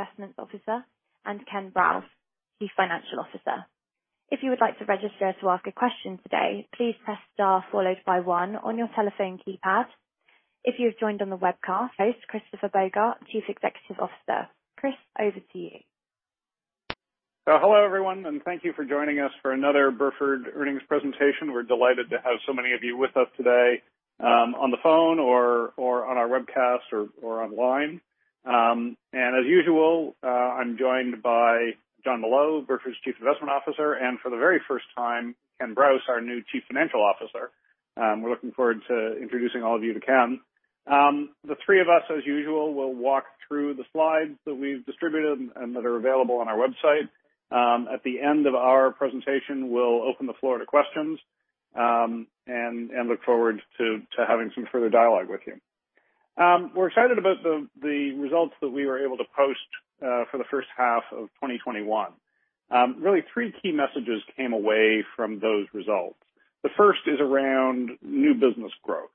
Investments Officer, and Ken Brause, Chief Financial Officer. If you would like to register to ask a question today, please press star followed by one on your telephone keypad. If you have joined on the webcast, host Christopher Bogart, Chief Executive Officer. Chris, over to you. Hello, everyone, thank you for joining us for another Burford earnings presentation. We're delighted to have so many of you with us today on the phone or on our webcast or online. As usual, I'm joined by Jonathan Molot, Burford's Chief Investment Officer, and for the very first time, Ken Brause, our new Chief Financial Officer. We're looking forward to introducing all of you to Ken. The three of us, as usual, will walk through the slides that we've distributed and that are available on our website. At the end of our presentation, we'll open the floor to questions, and look forward to having some further dialogue with you. We're excited about the results that we were able to post for the first half of 2021. Really, three key messages came away from those results. The first is around new business growth.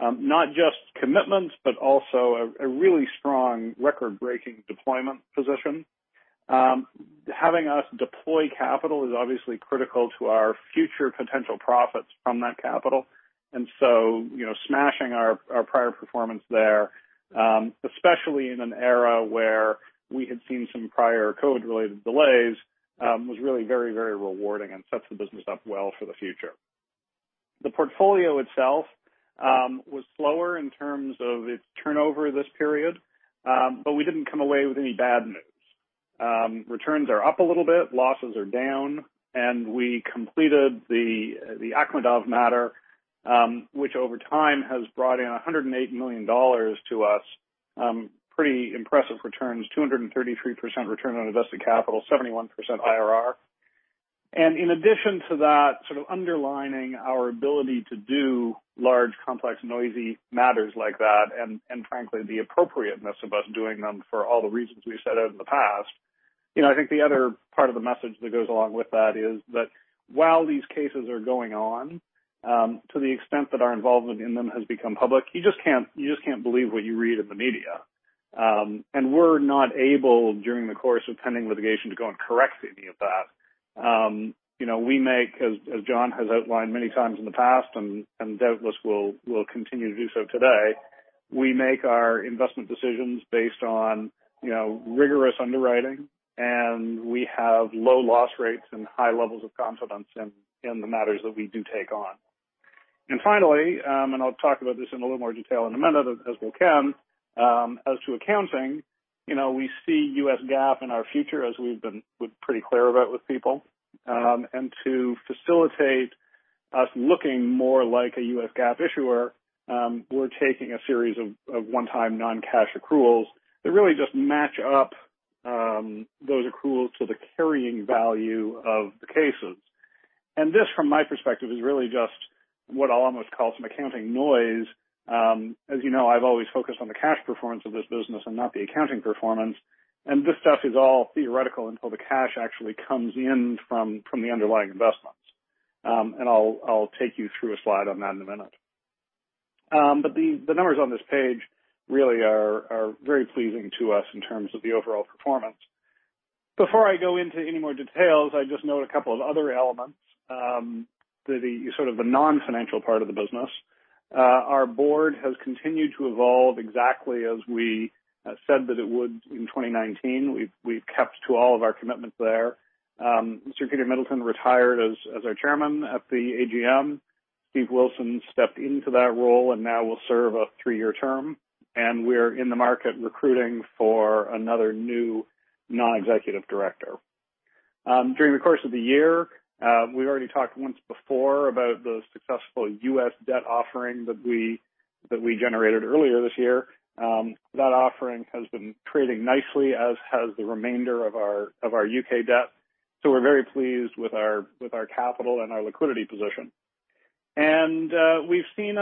Not just commitments, but also a really strong record-breaking deployment position. Having us deploy capital is obviously critical to our future potential profits from that capital. Smashing our prior performance there, especially in an era where we had seen some prior COVID-related delays, was really very rewarding and sets the business up well for the future. The portfolio itself was slower in terms of its turnover this period, but we didn't come away with any bad news. Returns are up a little bit, losses are down, and we completed the Akhmedov matter, which over time has brought in $108 million to us. Pretty impressive returns, 233% return on invested capital, 71% IRR. In addition to that, sort of underlining our ability to do large, complex, noisy matters like that, and frankly, the appropriateness of us doing them for all the reasons we've set out in the past. The other part of the message that goes along with that is that while these cases are going on, to the extent that our involvement in them has become public, you just can't believe what you read in the media. We're not able, during the course of pending litigation, to go and correct any of that. We make, as Jon has outlined many times in the past and doubtless will continue to do so today, we make our investment decisions based on rigorous underwriting, and we have low loss rates and high levels of confidence in the matters that we do take on. Finally, I'll talk about this in a little more detail in a minute, as will Ken, as to accounting, we see US GAAP in our future, as we've been pretty clear about with people. To facilitate us looking more like a US GAAP issuer, we're taking a series of one-time non-cash accruals that really just match up those accruals to the carrying value of the cases. This, from my perspective, is really just what I'll almost call some accounting noise. As you know, I've always focused on the cash performance of this business and not the accounting performance, and this stuff is all theoretical until the cash actually comes in from the underlying investments. I'll take you through a slide on that in a minute. The numbers on this page really are very pleasing to us in terms of the overall performance. Before I go into any more details, I just note a couple of other elements, the sort of the non-financial part of the business. Our board has continued to evolve exactly as we said that it would in 2019. We've kept to all of our commitments there. Sir Peter Middleton retired as our chairman at the AGM. Hugh Steven Wilson stepped into that role and now will serve a three-year term, and we're in the market recruiting for another new non-executive director. During the course of the year, we've already talked once before about the successful U.S. debt offering that we generated earlier this year. That offering has been trading nicely, as has the remainder of our U.K. debt. We're very pleased with our capital and our liquidity position. We've seen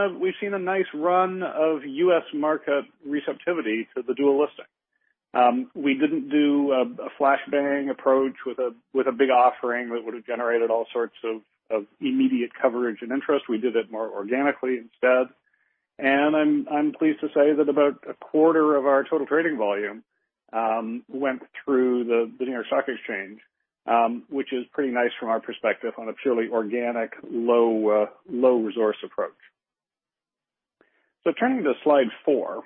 a nice run of U.S. market receptivity to the dual listing. We didn't do a flash bang approach with a big offering that would have generated all sorts of immediate coverage and interest. We did it more organically instead. I'm pleased to say that about a quarter of our total trading volume went through the New York Stock Exchange, which is pretty nice from our perspective on a purely organic, low resource approach. Turning to slide four,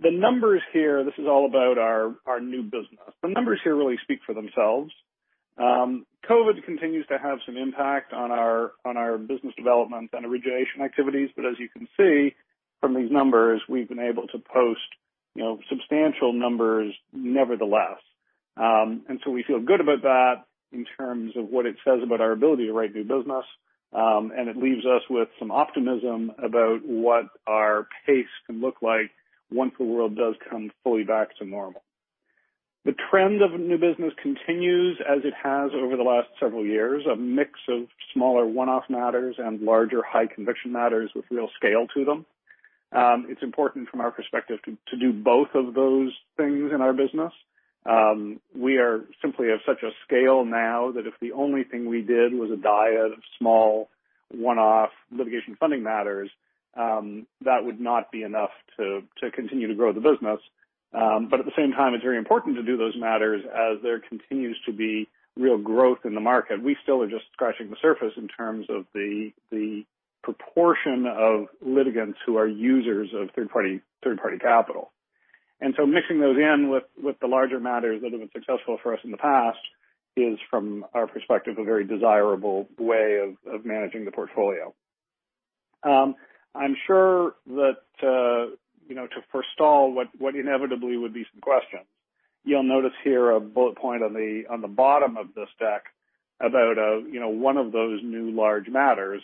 the numbers here, this is all about our new business. The numbers here really speak for themselves. COVID continues to have some impact on our business development and origination activities, but as you can see from these numbers, we've been able to post substantial numbers nevertheless. We feel good about that in terms of what it says about our ability to write new business, and it leaves us with some optimism about what our pace can look like once the world does come fully back to normal. The trend of new business continues as it has over the last several years, a mix of smaller one-off matters and larger high conviction matters with real scale to them. It's important from our perspective to do both of those things in our business. We are simply of such a scale now that if the only thing we did was a diet of small one-off litigation funding matters that would not be enough to continue to grow the business. At the same time, it's very important to do those matters as there continues to be real growth in the market. We still are just scratching the surface in terms of the proportion of litigants who are users of third-party capital. Mixing those in with the larger matters that have been successful for us in the past is, from our perspective, a very desirable way of managing the portfolio. I'm sure that to forestall what inevitably would be some questions, you'll notice here a bullet point on the bottom of this deck about one of those new large matters.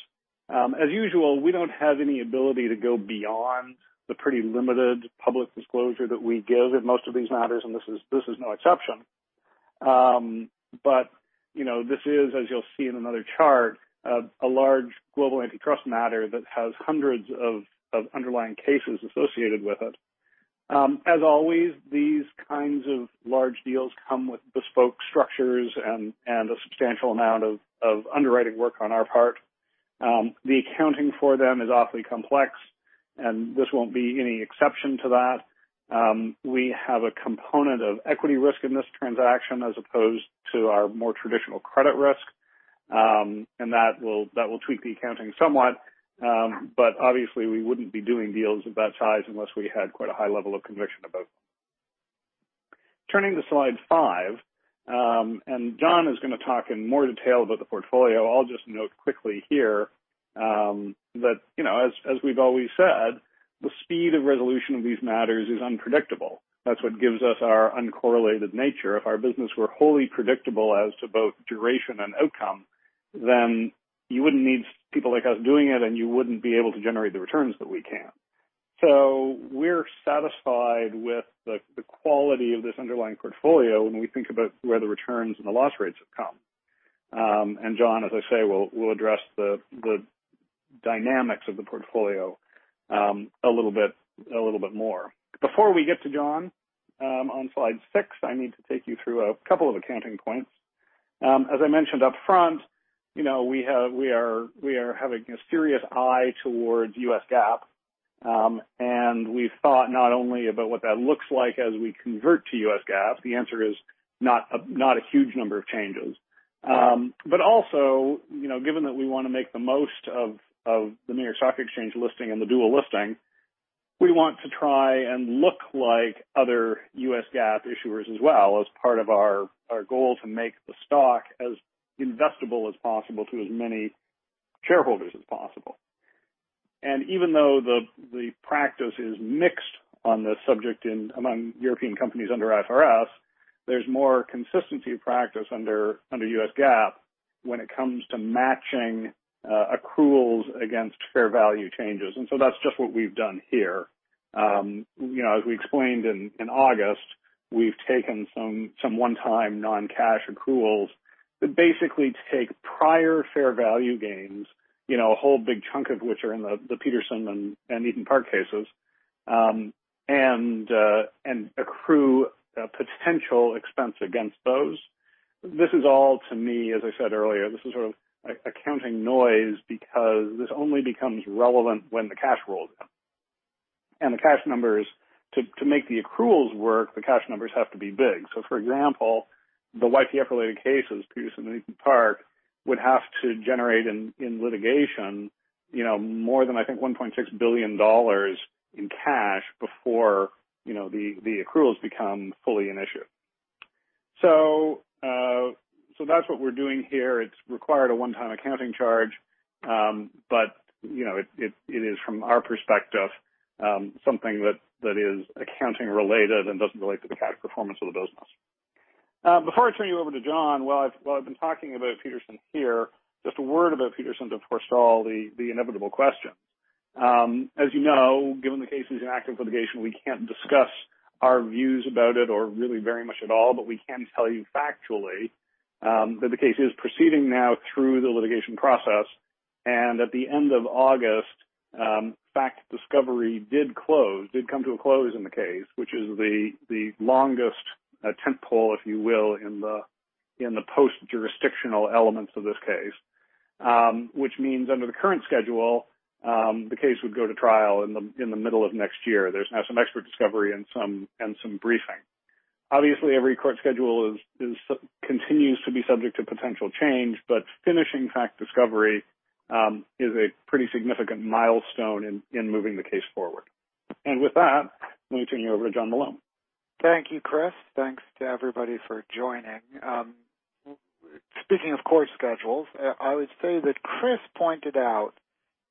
As usual, we don't have any ability to go beyond the pretty limited public disclosure that we give in most of these matters, and this is no exception. This is, as you'll see in another chart, a large global antitrust matter that has hundreds of underlying cases associated with it. As always, these kinds of large deals come with bespoke structures and a substantial amount of underwriting work on our part. The accounting for them is awfully complex, and this won't be any exception to that. We have a component of equity risk in this transaction as opposed to our more traditional credit risk. That will tweak the accounting somewhat. Obviously, we wouldn't be doing deals of that size unless we had quite a high level of conviction about them. Turning to slide five, Jon is going to talk in more detail about the portfolio. I'll just note quickly here that as we've always said, the speed of resolution of these matters is unpredictable. That's what gives us our uncorrelated nature. If our business were wholly predictable as to both duration and outcome, then you wouldn't need people like us doing it, and you wouldn't be able to generate the returns that we can. We're satisfied with the quality of this underlying portfolio when we think about where the returns and the loss rates have come. Jon, as I say, will address the dynamics of the portfolio a little bit more. Before we get to Jon, on slide six, I need to take you through a couple of accounting points. As I mentioned upfront, we are having a serious eye towards US GAAP. We've thought not only about what that looks like as we convert to US GAAP. The answer is not a huge number of changes. Also, given that we want to make the most of the New York Stock Exchange listing and the dual listing, we want to try and look like other US GAAP issuers as well as part of our goal to make the stock as investable as possible to as many shareholders as possible. Even though the practice is mixed on this subject among European companies under IFRS, there's more consistency of practice under US GAAP when it comes to matching accruals against fair value changes. That's just what we've done here. As we explained in August, we've taken some one-time non-cash accruals that basically take prior fair value gains, a whole big chunk of which are in the Petersen and Eton Park cases, and accrue a potential expense against those. This is all, to me, as I said earlier, this is sort of accounting noise because this only becomes relevant when the cash rolls in. To make the accruals work, the cash numbers have to be big. For example, the YPF-related cases, Petersen and Eton Park, would have to generate in litigation more than, I think, $1.6 billion in cash before the accruals become fully an issue. That's what we're doing here. It's required a one-time accounting charge. It is, from our perspective, something that is accounting related and doesn't relate to the cash performance of the business. Before I turn you over to Jon, while I've been talking about Petersen here, just a word about Petersen to forestall the inevitable questions. As you know, given the case is an active litigation, we can't discuss our views about it or really very much at all, but we can tell you factually that the case is proceeding now through the litigation process, and at the end of August, fact discovery did come to a close in the case, which is the longest tent pole, if you will, in the post-jurisdictional elements of this case. Which means under the current schedule, the case would go to trial in the middle of next year. There's now some expert discovery and some briefing. Obviously, every court schedule continues to be subject to potential change, but finishing fact discovery is a pretty significant milestone in moving the case forward. With that, let me turn you over to Jonathan Molot. Thank you, Christopher Bogart. Thanks to everybody for joining. Speaking of court schedules, I would say that Christopher Bogart pointed out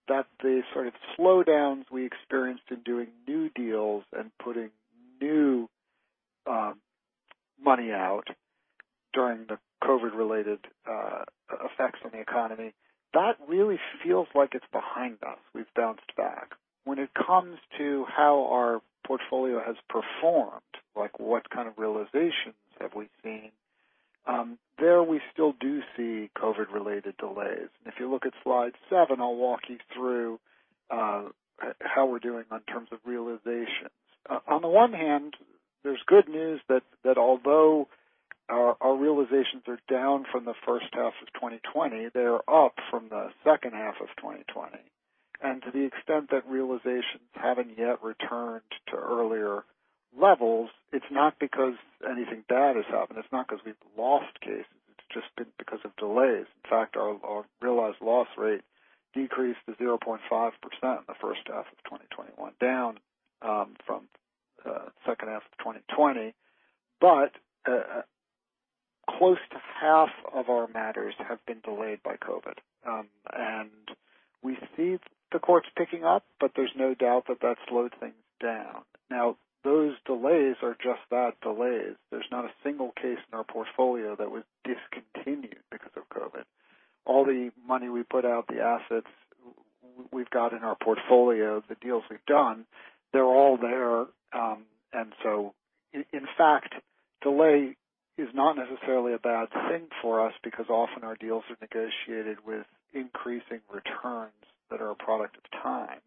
that the sort of slowdowns we experienced in doing new deals and putting new money out during the COVID-related effects on the economy, that really feels like it's behind us. We've bounced back. When it comes to how our portfolio has performed, like what kind of realizations have we seen, there we still do see COVID-related delays. If you look at slide seven, I'll walk you through how we're doing in terms of realizations. On the one hand, there's good news that although our realizations are down from the first half of 2020, they are up from the second half of 2020. To the extent that realizations haven't yet returned to earlier levels, it's not because anything bad has happened. It's not because we've lost cases. It's just because of delays. In fact, our realized loss rate decreased to 0.5% in the first half of 2021, down from the second half of 2020. Close to half of our matters have been delayed by COVID. We see the courts picking up. There's no doubt that that slowed things down. Those delays are just that, delays. There's not a single case in our portfolio that was discontinued because of COVID. All the money we put out, the assets we've got in our portfolio, the deals we've done, they're all there. In fact, delay is not necessarily a bad thing for us because often our deals are negotiated with increasing returns that are a product of time.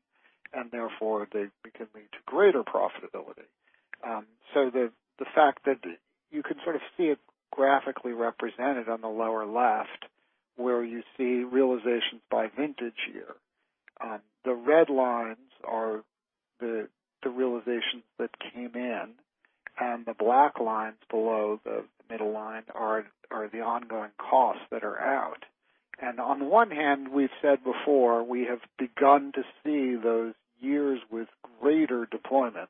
They can lead to greater profitability. The fact that you can sort of see it graphically represented on the lower left, where you see realizations by vintage year. The red lines are the realizations that came in, and the black lines below the middle line are the ongoing costs that are out. On one hand, we've said before, we have begun to see those years with greater deployments.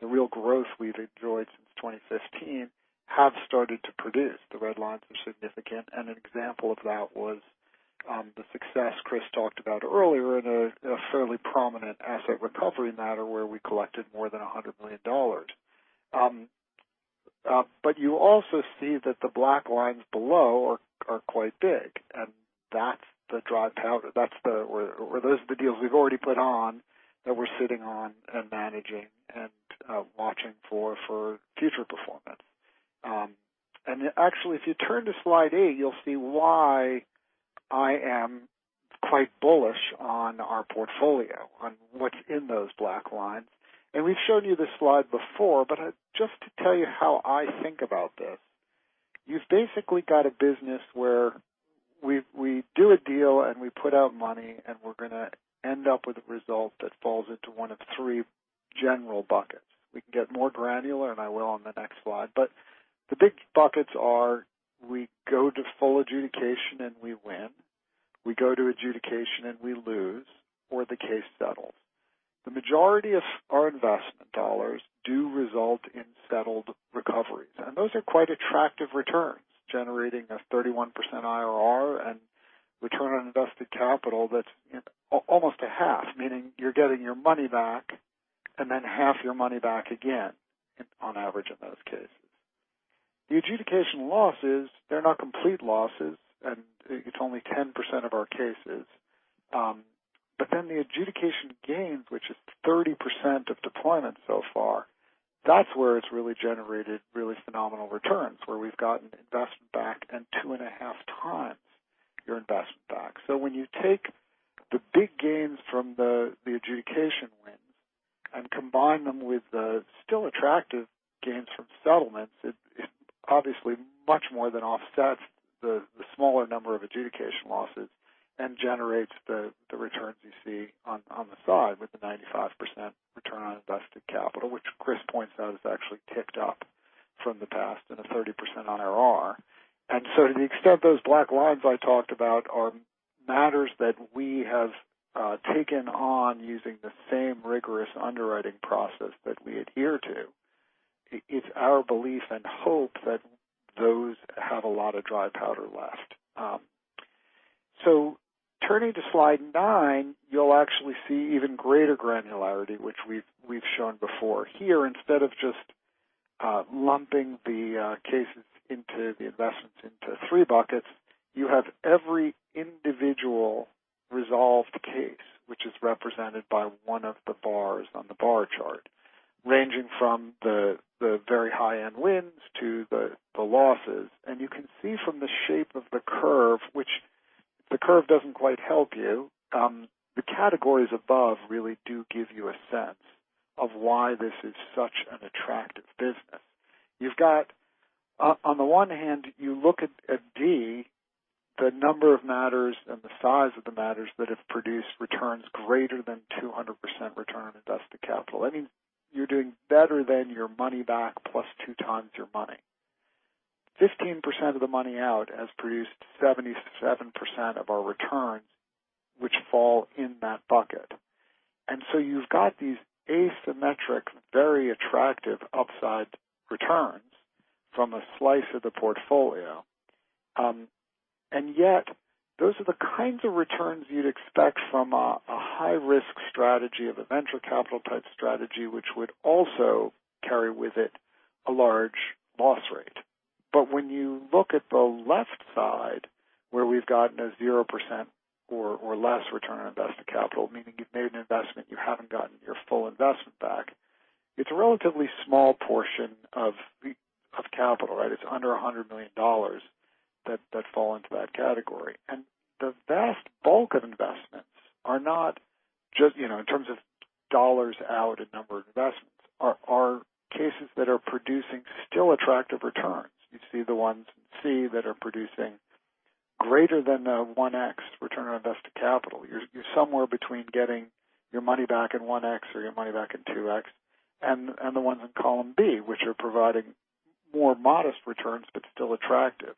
The real growth we've enjoyed since 2015 has started to produce. The red lines are significant, and an example of that was the success Chris talked about earlier in a fairly prominent asset recovery matter where we collected more than $100 million. You also see that the black lines below are quite big, and those are the deals we've already put on that we're sitting on and managing and watching for future performance. Actually, if you turn to slide eight, you'll see why I am quite bullish on our portfolio, on what's in those black lines. We've shown you this slide before, but just to tell you how I think about this. You've basically got a business where we do a deal, and we put out money, and we're going to end up with a result that falls into one of three general buckets. We can get more granular, and I will on the next slide, but the big buckets are we go to full adjudication and we win, we go to adjudication and we lose, or the case settles. The majority of our investment dollars do result in settled recoveries, and those are quite attractive returns, generating a 31% IRR and return on invested capital that's almost a half, meaning you're getting your money back and then half your money back again on average in those cases. The adjudication losses, they're not complete losses, and it's only 10% of our cases. The adjudication gains, which is 30% of deployments so far, that's where it's really generated really phenomenal returns, where we've gotten investment back and two and a half times your investment back. When you take the big gains from the adjudication wins and combine them with the still attractive gains from settlements, it obviously much more than offsets the smaller number of adjudication losses and generates the returns you see on the side with the 95% return on invested capital, which Chris points out has actually ticked up from the past and a 30% IRR. To the extent those black lines I talked about are matters that we have taken on using the same rigorous underwriting process that we adhere to, it's our belief and hope that those have a lot of dry powder left. Turning to slide nine, you'll actually see even greater granularity, which we've shown before. Here, instead of just lumping the cases into the investments into three buckets, you have every individual resolved case, which is represented by one of the bars on the bar chart, ranging from the very high-end wins to the losses. You can see from the shape of the curve, which the curve doesn't quite help you. The categories above really do give you a sense of why this is such an attractive business. You've got on the one hand, you look at D, the number of matters and the size of the matters that have produced returns greater than 200% return on invested capital. That means you're doing better than your money back plus 2x your money. 15% of the money out has produced 77% of our returns, which fall in that bucket. You've got these asymmetric, very attractive upside returns from a slice of the portfolio. Yet those are the kinds of returns you'd expect from a high-risk strategy of a venture capital type strategy, which would also carry with it a large loss rate. When you look at the left side, where we've gotten a 0% or less return on invested capital, meaning you've made an investment, you haven't gotten your full investment back. It's a relatively small portion of capital, right? It's under $100 million that fall into that category. The vast bulk of investments are not just, in terms of dollars out and number of investments, are cases that are producing still attractive returns. You see the ones in C that are producing greater than a 1x return on invested capital. You're somewhere between getting your money back in 1x or your money back in 2x. The ones in column B, which are providing more modest returns, but still attractive.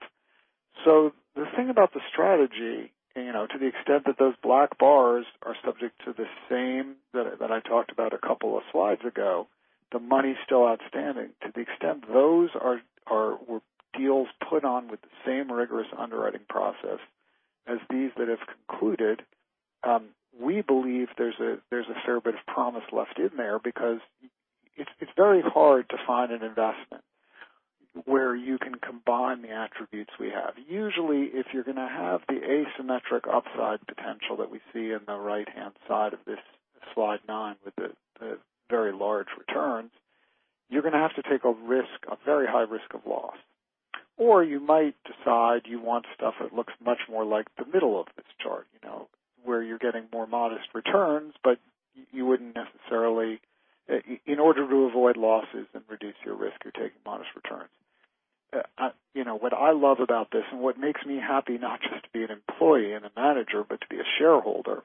The thing about the strategy, to the extent that those black bars are subject to the same that I talked about a couple of slides ago, the money's still outstanding. To the extent those were deals put on with the same rigorous underwriting process as these that have concluded, we believe there's a fair bit of promise left in there because it's very hard to find an investment where you can combine the attributes we have. Usually, if you're going to have the asymmetric upside potential that we see in the right-hand side of this slide nine with the very large returns, you're going to have to take a very high risk of loss. You might decide you want stuff that looks much more like the middle of this chart, where you're getting more modest returns, but you wouldn't necessarily in order to avoid losses and reduce your risk, you're taking modest returns. What I love about this, and what makes me happy, not just to be an employee and a manager, but to be a shareholder,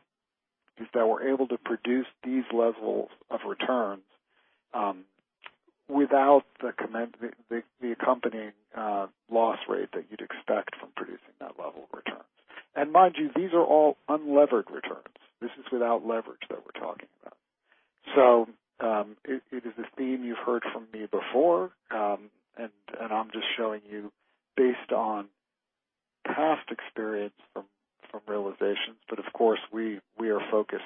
is that we're able to produce these levels of returns, without the accompanying loss rate that you'd expect from producing that level of returns. Mind you, these are all unlevered returns. This is without leverage that we're talking about. It is a theme you've heard from me before, and I'm just showing you based on past experience from realizations. Of course, we are focused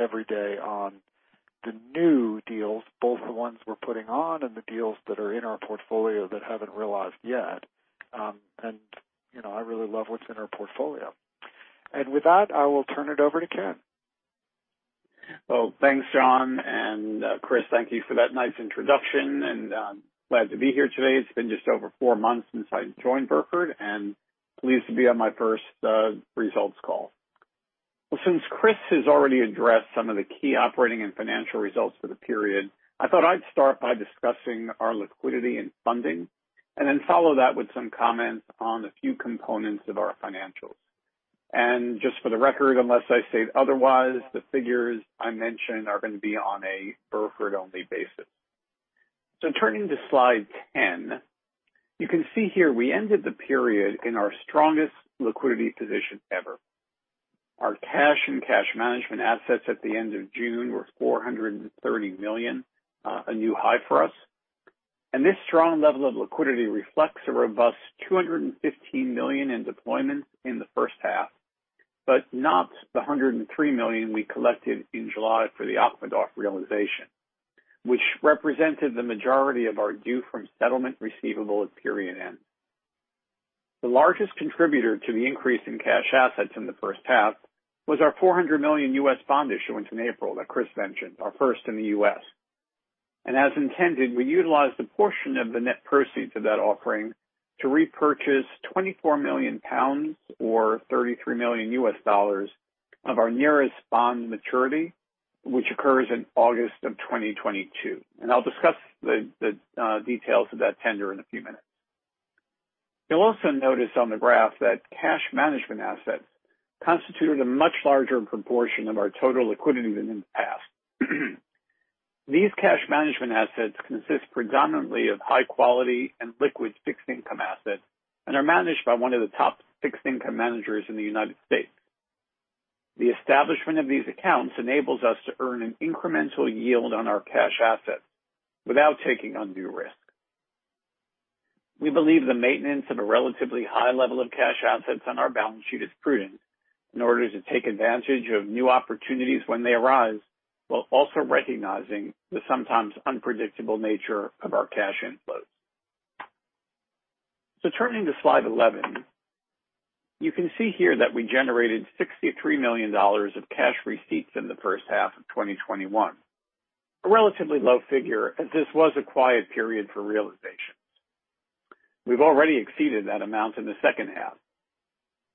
every day on the new deals, both the ones we're putting on and the deals that are in our portfolio that haven't realized yet. I really love what's in our portfolio. With that, I will turn it over to Ken. Thanks, Jonathan Molot, and Christopher Bogart, thank you for that nice introduction, and glad to be here today. It's been just over four months since I joined Burford and pleased to be on my first results call. Since Christopher Bogart has already addressed some of the key operating and financial results for the period, I thought I'd start by discussing our liquidity and funding, and then follow that with some comments on a few components of our financials. Just for the record, unless I state otherwise, the figures I mention are going to be on a Burford-only basis. Turning to slide 10, you can see here we ended the period in our strongest liquidity position ever. Our cash and cash management assets at the end of June were $430 million, a new high for us. This strong level of liquidity reflects a robust $215 million in deployments in the first half, but not the $103 million we collected in July for the Akhmedov realization, which represented the majority of our due from settlement receivable at period end. The largest contributor to the increase in cash assets in the first half was our $400 million U.S. bond issuance in April that Chris mentioned, our first in the U.S. As intended, we utilized a portion of the net proceeds of that offering to repurchase 24 million pounds or $33 million of our nearest bond maturity, which occurs in August of 2022. I'll discuss the details of that tender in a few minutes. You'll also notice on the graph that cash management assets constituted a much larger proportion of our total liquidity than in the past. These cash management assets consist predominantly of high quality and liquid fixed income assets and are managed by one of the top fixed income managers in the United States. The establishment of these accounts enables us to earn an incremental yield on our cash assets without taking undue risk. We believe the maintenance of a relatively high level of cash assets on our balance sheet is prudent in order to take advantage of new opportunities when they arise, while also recognizing the sometimes unpredictable nature of our cash inflows. Turning to slide 11, you can see here that we generated $63 million of cash receipts in the first half of 2021. A relatively low figure, as this was a quiet period for realizations. We've already exceeded that amount in the second half,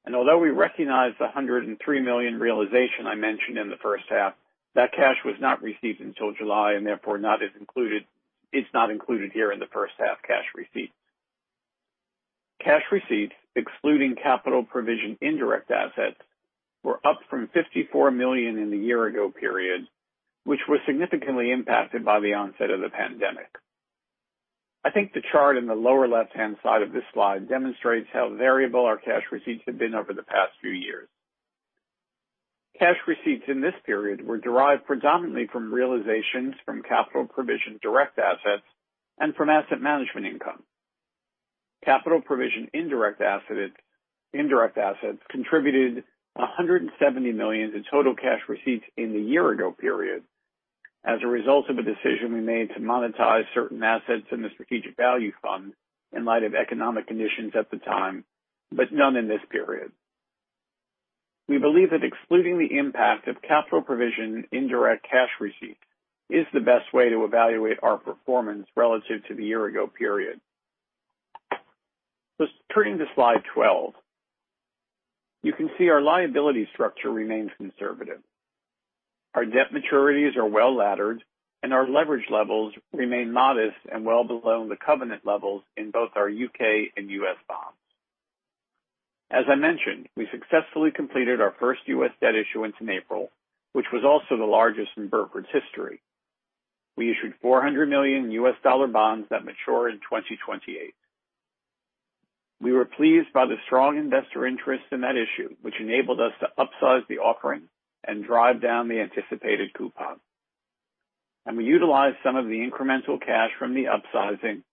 and although we recognized the $103 million realization I mentioned in the first half, that cash was not received until July and therefore it's not included here in the first half cash receipts. Cash receipts, excluding capital provision-indirect assets, were up from $54 million in the year ago period, which was significantly impacted by the onset of the pandemic. I think the chart in the lower left-hand side of this slide demonstrates how variable our cash receipts have been over the past few years. Cash receipts in this period were derived predominantly from realizations from capital provision-direct assets and from asset management income. Capital provision-indirect assets contributed $170 million in total cash receipts in the year ago period as a result of a decision we made to monetize certain assets in the Strategic Value Fund in light of economic conditions at the time, but none in this period. We believe that excluding the impact of capital provision-indirect cash receipts is the best way to evaluate our performance relative to the year ago period. Turning to slide 12. You can see our liability structure remains conservative. Our debt maturities are well-laddered, and our leverage levels remain modest and well below the covenant levels in both our U.K. and U.S. bonds. As I mentioned, we successfully completed our first U.S. debt issuance in April, which was also the largest in Burford's history. We issued $400 million U.S. dollar bonds that mature in 2028. We were pleased by the strong investor interest in that issue, which enabled us to upsize the offering and drive down the anticipated coupon. We utilized some of the incremental cash from the upsizing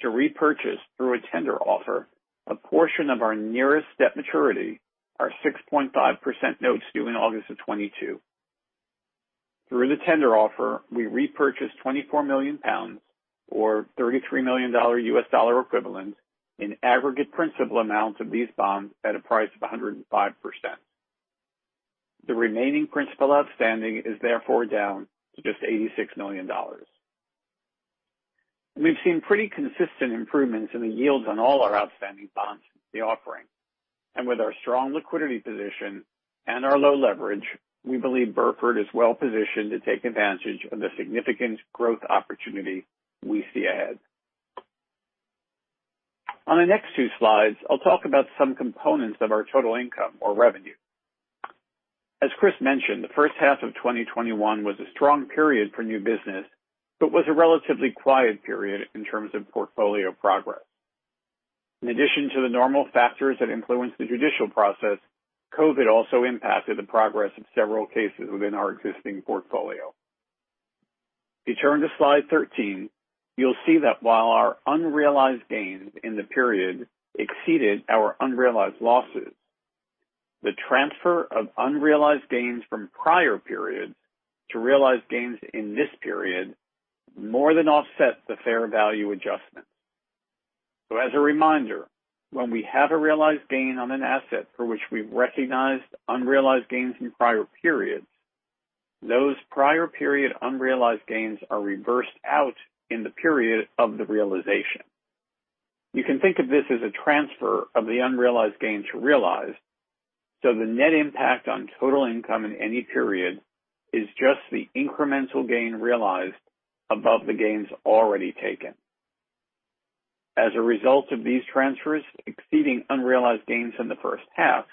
to repurchase, through a tender offer, a portion of our nearest debt maturity, our 6.5% notes due in August of 2022. Through the tender offer, we repurchased 24 million pounds, or $33 million equivalent in aggregate principal amounts of these bonds at a price of 105%. The remaining principal outstanding is therefore down to just $86 million. We've seen pretty consistent improvements in the yields on all our outstanding bonds since the offering. With our strong liquidity position and our low leverage, we believe Burford is well positioned to take advantage of the significant growth opportunity we see ahead. On the next two slides, I'll talk about some components of our total income or revenue. As Chris mentioned, the first half of 2021 was a strong period for new business, but was a relatively quiet period in terms of portfolio progress. In addition to the normal factors that influence the judicial process, COVID also impacted the progress of several cases within our existing portfolio. If you turn to slide 13, you'll see that while our unrealized gains in the period exceeded our unrealized losses, the transfer of unrealized gains from prior periods to realized gains in this period more than offset the fair value adjustments. As a reminder, when we have a realized gain on an asset for which we've recognized unrealized gains in prior periods, those prior period unrealized gains are reversed out in the period of the realization. You can think of this as a transfer of the unrealized gain to realized, so the net impact on total income in any period is just the incremental gain realized above the gains already taken. As a result of these transfers exceeding unrealized gains in the first half,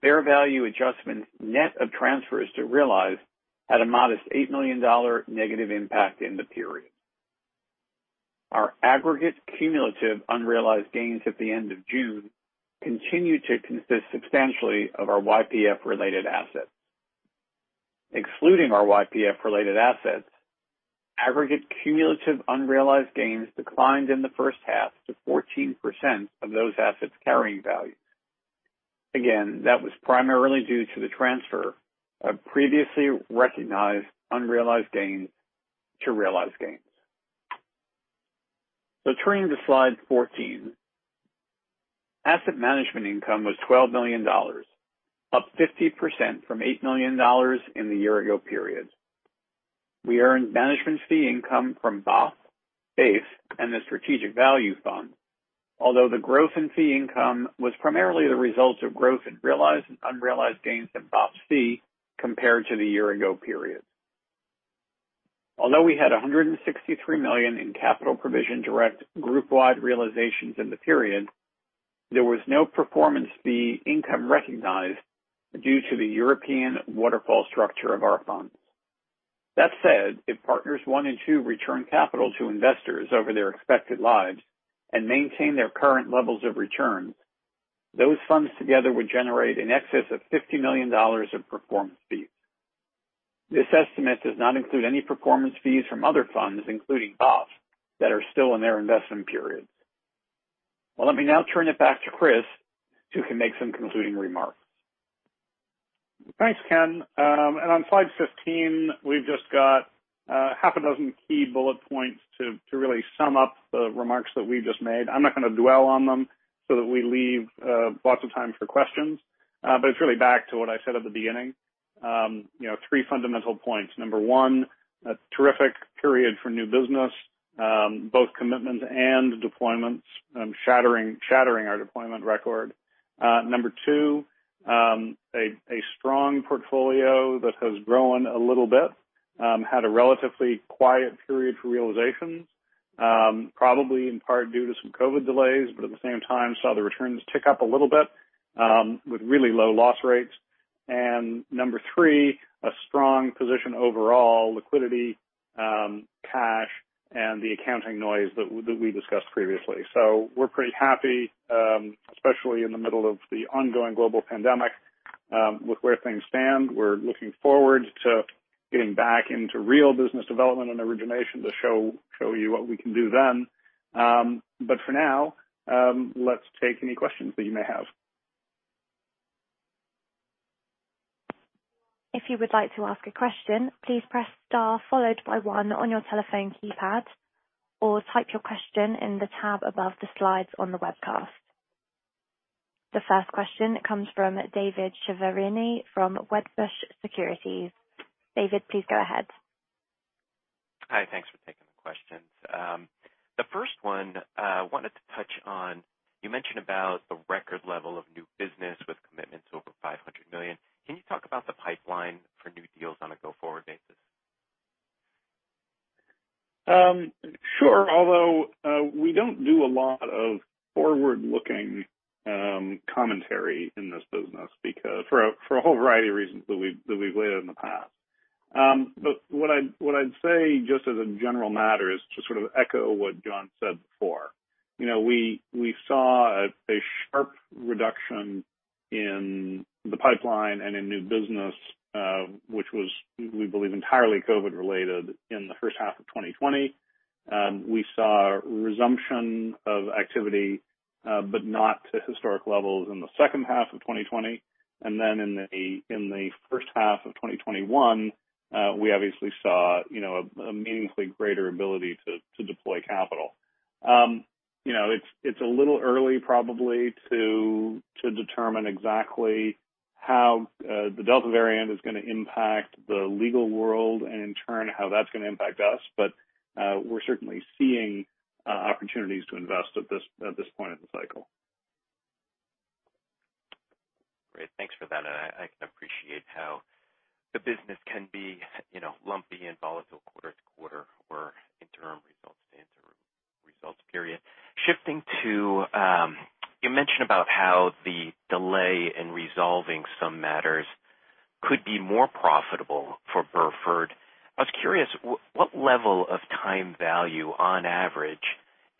fair value adjustments net of transfers to realized had a modest $8 million negative impact in the period. Our aggregate cumulative unrealized gains at the end of June continue to consist substantially of our YPF-related assets. Excluding our YPF-related assets, aggregate cumulative unrealized gains declined in the first half to 14% of those assets' carrying value. That was primarily due to the transfer of previously recognized unrealized gains to realized gains. Turning to slide 14. Asset management income was $12 million, up 50% from $8 million in the year-ago period. We earned management fee income from BOF, BAIF, and the Strategic Value Fund, although the growth in fee income was primarily the result of growth in realized and unrealized gains in BOF C compared to the year-ago period. We had $163 million in capital provision-direct group-wide realizations in the period, there was no performance fee income recognized due to the European waterfall structure of our funds. That said, if Partners I and II return capital to investors over their expected lives and maintain their current levels of return, those funds together would generate in excess of $50 million in performance fees. This estimate does not include any performance fees from other funds, including BOF, that are still in their investment periods. Well, let me now turn it back to Chris, who can make some concluding remarks. Thanks, Ken. On slide 15, we've just got half a dozen key bullet points to really sum up the remarks that we've just made. I'm not gonna dwell on them so that we leave lots of time for questions. It's really back to what I said at the beginning. Three fundamental points. Number one, a terrific period for new business, both commitments and deployments shattering our deployment record. Number two, a strong portfolio that has grown a little bit, had a relatively quiet period for realizations, probably in part due to some COVID delays, but at the same time saw the returns tick up a little bit, with really low loss rates. Number three, a strong position overall liquidity, cash, and the accounting noise that we discussed previously. We're pretty happy, especially in the middle of the ongoing global pandemic, with where things stand. We're looking forward to getting back into real business development and origination to show you what we can do then. For now, let's take any questions that you may have. If you would like to ask a question, please press star followed by one on your telephone keypad, or type your question in the tab above the slides on the webcast. The first question comes from David Chiaverini from Wedbush Securities. David, please go ahead. Hi, thanks for taking the questions. The first one I wanted to touch on, you mentioned about the record level of new business with commitments over $500 million. Can you talk about the pipeline for new deals on a go-forward basis? Sure. We don't do a lot of forward-looking commentary in this business because for a whole variety of reasons that we've laid out in the past. What I'd say, just as a general matter, is to sort of echo what Jon said before. We saw a sharp reduction in the pipeline and in new business, which was, we believe, entirely COVID-related in the first half of 2020. We saw a resumption of activity, but not to historic levels in the second half of 2020. In the first half of 2021, we obviously saw a meaningfully greater ability to deploy capital. It's a little early probably to determine exactly how the Delta variant is going to impact the legal world and in turn, how that's going to impact us. We're certainly seeing opportunities to invest at this point in the cycle. Great. Thanks for that. I can appreciate how the business can be lumpy and volatile quarter to quarter or interim results to interim results period. Shifting to, you mentioned about how the delay in resolving some matters could be more profitable for Burford. I was curious, what level of time value on average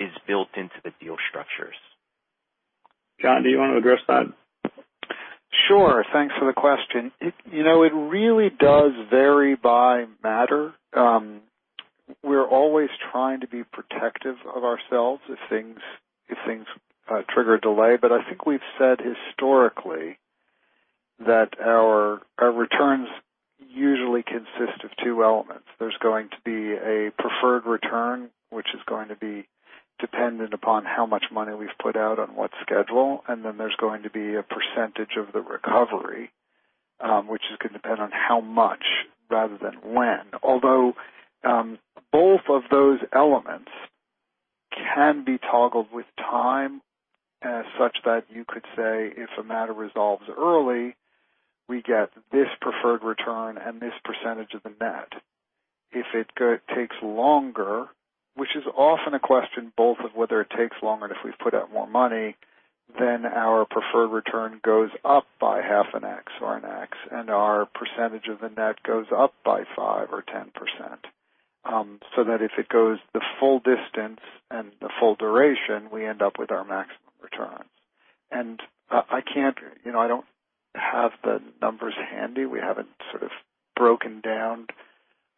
is built into the deal structures? Jon, do you want to address that? Sure. Thanks for the question. It really does vary by matter. We're always trying to be protective of ourselves if things trigger a delay. I think we've said historically that our returns usually consist of two elements. There's going to be a preferred return, which is going to be dependent upon how much money we've put out on what schedule, and then there's going to be a percentage of the recovery, which is going to depend on how much rather than when. Both of those elements can be toggled with time as such that you could say if a matter resolves early, we get this preferred return and this percentage of the net. If it takes longer, which is often a question both of whether it takes longer and if we've put out more money, then our preferred return goes up by 0.5x or 1x, and our percentage of the net goes up by 5% or 10%. That if it goes the full distance and the full duration, we end up with our maximum returns. I don't have the numbers handy. We haven't sort of broken down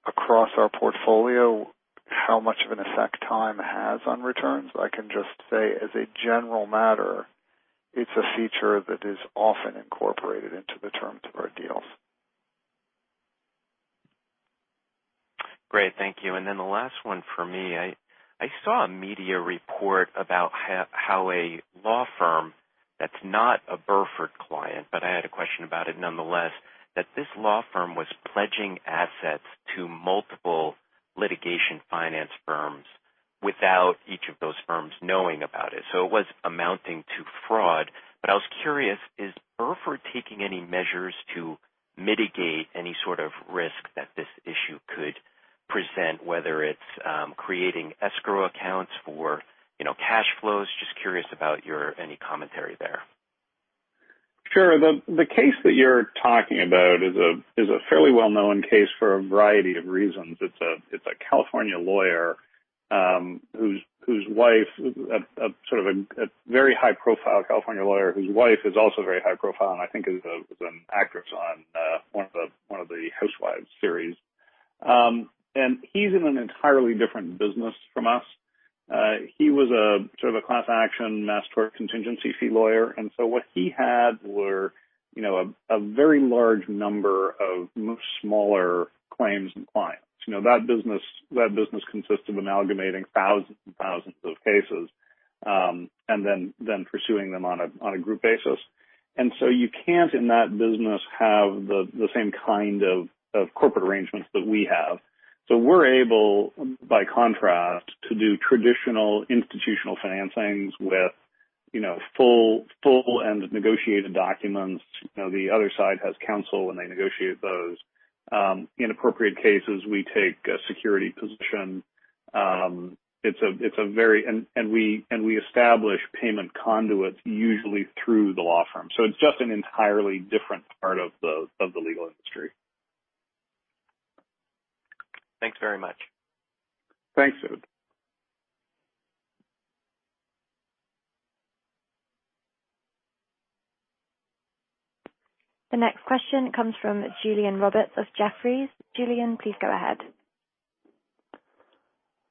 across our portfolio how much of an effect time has on returns. I can just say as a general matter, it's a feature that is often incorporated into the terms of our deals. Great. Thank you. Then the last one for me. I saw a media report about how a law firm that's not a Burford client, but I had a question about it nonetheless, that this law firm was pledging assets to multiple litigation finance firms without each of those firms knowing about it. So it was amounting to fraud. I was curious, is Burford taking any measures to mitigate any sort of risk that this issue could present, whether it's creating escrow accounts for cash flows? Just curious about any commentary there. Sure. The case that you're talking about is a fairly well-known case for a variety of reasons. It's a California lawyer, sort of a very high-profile California lawyer whose wife is also very high profile and I think is an actress on one of The Real Housewives series. He's in an entirely different business from us. He was a sort of a class action mass tort contingency fee lawyer. What he had were a very large number of much smaller claims and clients. That business consists of amalgamating thousands and thousands of cases, and then pursuing them on a group basis. You can't, in that business, have the same kind of corporate arrangements that we have. We're able, by contrast, to do traditional institutional financings with full and negotiated documents. The other side has counsel when they negotiate those. In appropriate cases, we take a security position. We establish payment conduits, usually through the law firm. It's just an entirely different part of the legal industry. Thanks very much. Thanks, David. The next question comes from Julian Roberts of Jefferies. Julian, please go ahead.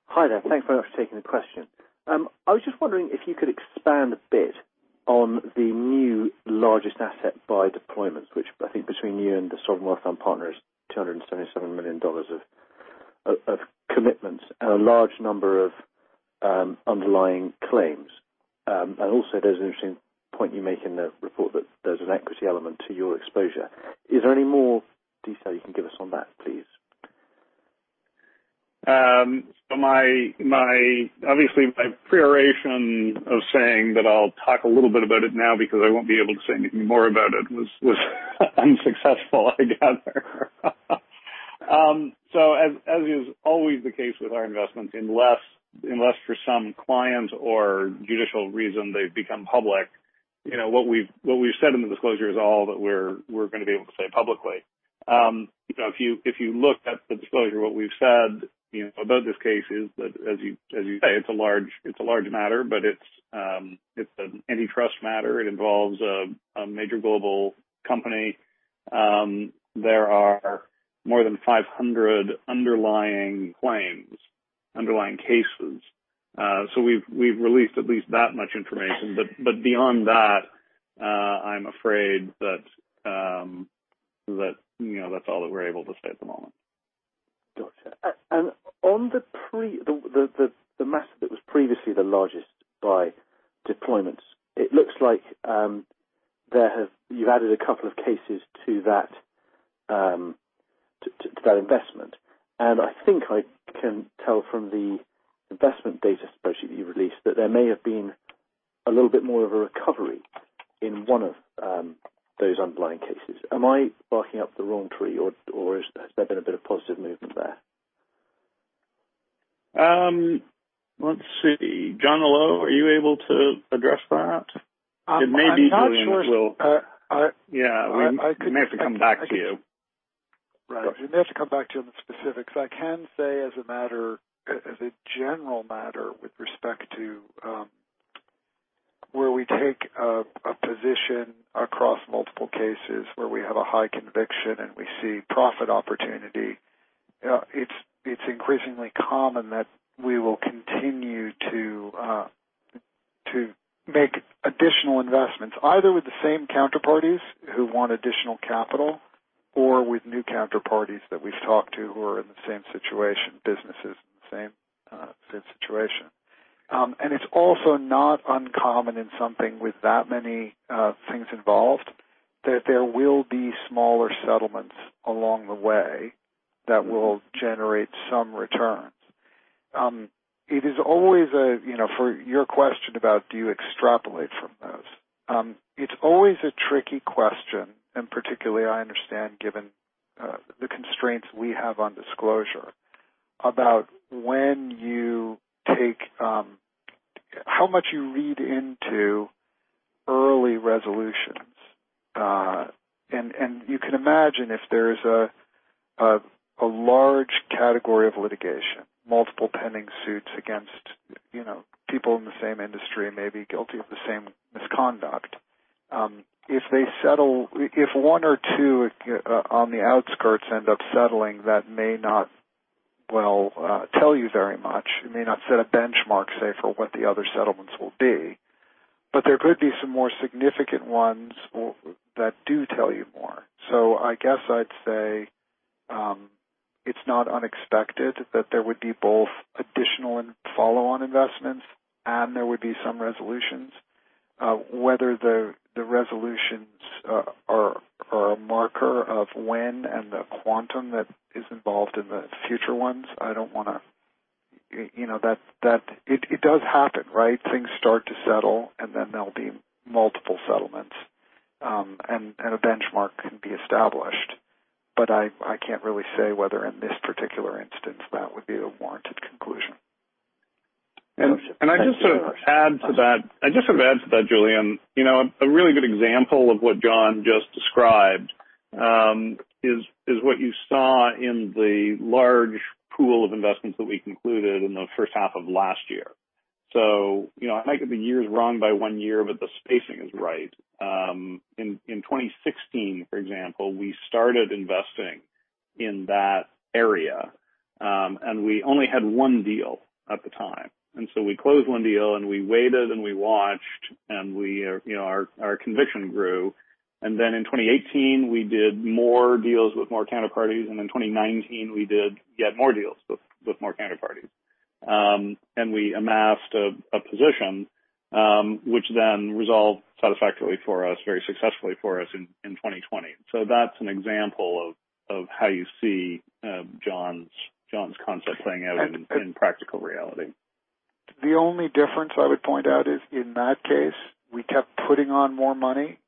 Hi there. Thanks very much for taking the question. I was just wondering if you could expand a bit on the new largest asset by deployments, which I think between you and the Sovereign Wealth Fund Partners, $277 million of commitments and a large number of underlying claims. Also there's an interesting point you make in the report that there's an equity element to your exposure. Is there any more detail you can give us on that, please? Obviously, my pre-oration of saying that I'll talk a little bit about it now because I won't be able to say anything more about it was unsuccessful, I gather. As is always the case with our investments, unless for some client or judicial reason they've become public, what we've said in the disclosure is all that we're going to be able to say publicly. If you looked at the disclosure, what we've said about this case is that, as you say, it's a large matter, but it's an antitrust matter. It involves a major global company. There are more than 500 underlying claims, underlying cases. We've released at least that much information. Beyond that, I'm afraid that's all that we're able to say at the moment. Got you. On the matter that was previously the largest by deployments, it looks like you added a couple of cases to that investment. I think I can tell from the investment data, especially, that you released, that there may have been a little bit more of a recovery in one of those underlying cases. Am I barking up the wrong tree or has there been a bit of positive movement there? Let's see. Jonathan Molot, are you able to address that? It may be Julian will- I'm not sure. Yeah. We may have to come back to you. Right. We may have to come back to you on the specifics. I can say, as a general matter, with respect to where we take a position across multiple cases, where we have a high conviction and we see profit opportunity, it's increasingly common that we will continue to make additional investments, either with the same counterparties who want additional capital or with new counterparties that we've talked to who are in the same situation, businesses in the same situation. It's also not uncommon in something with that many things involved, that there will be smaller settlements along the way that will generate some returns. For your question about do you extrapolate from those? It's always a tricky question, and particularly I understand, given the constraints we have on disclosure, about how much you read into early resolutions. You can imagine if there's a large category of litigation, multiple pending suits against people in the same industry may be guilty of the same misconduct. If one or two on the outskirts end up settling, that may not well tell you very much. It may not set a benchmark, say, for what the other settlements will be. There could be some more significant ones that do tell you more. I'd say, it's not unexpected that there would be both additional and follow-on investments, and there would be some resolutions. Whether the resolutions are a marker of when and the quantum that is involved in the future ones, it does happen, right? Things start to settle, and then there'll be multiple settlements, and a benchmark can be established. I can't really say whether in this particular instance that would be a warranted conclusion. I just sort of add to that, Julian, a really good example of what Jon just described is what you saw in the large pool of investments that we concluded in the first half of last year. I think the year is wrong by one year, but the spacing is right. In 2016, for example, we started investing in that area. We only had one deal at the time. We closed one deal, and we waited, and we watched, and our conviction grew. In 2018, we did more deals with more counterparties. In 2019, we did yet more deals with more counterparties. We amassed a position, which then resolved satisfactorily for us, very successfully for us in 2020. That's an example of how you see Jon's concept playing out in practical reality. The only difference I would point out is, in that case, we kept putting on more money,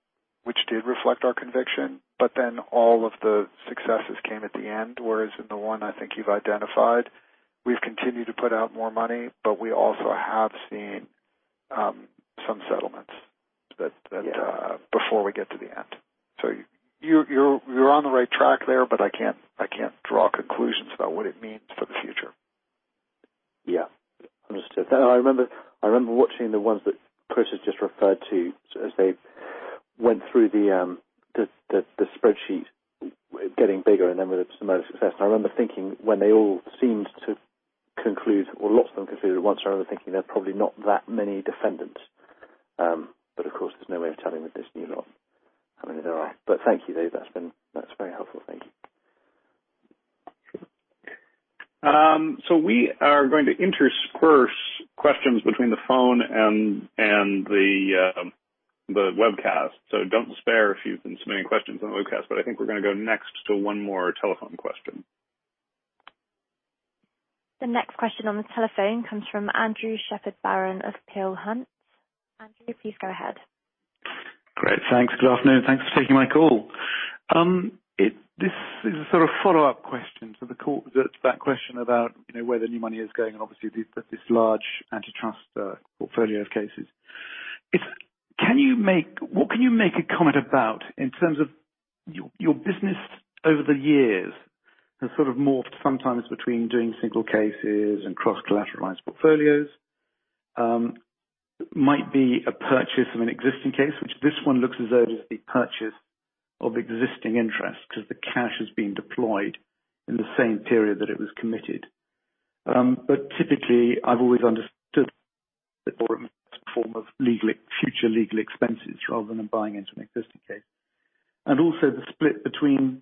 which did reflect our conviction. All of the successes came at the end, whereas in the one I think you've identified, we've continued to put out more money, but we also have seen some settlements before we get to the end. You're on the right track there, but I can't draw conclusions about what it means for the future. Yeah. Understood. I remember watching the ones that Chris has just referred to as they went through the spreadsheet getting bigger and then with some other success. I remember thinking when they all seemed to conclude, or lots of them concluded at once, I remember thinking there are probably not that many defendants. Of course, there's no way of telling with this new lot how many there are. Thank you, though. That's very helpful. Thank you. We are going to intersperse questions between the phone and the webcast. Don't spare if you've been submitting questions on the webcast, but I think we're going to go next to one more telephone question. The next question on the telephone comes from Andrew Shepherd-Barron of Peel Hunt. Andrew, please go ahead. Great. Thanks. Good afternoon. Thanks for taking my call. This is a sort of follow-up question to that question about where the new money is going, obviously, this large antitrust portfolio of cases. What can you make a comment about in terms of your business over the years has sort of morphed sometimes between doing single cases and cross-collateralized portfolios? Might be a purchase of an existing case, which this one looks as though it is the purchase of existing interest because the cash is being deployed in the same period that it was committed. Typically, I've always understood that form of future legal expenses rather than buying into an existing case. Also the split between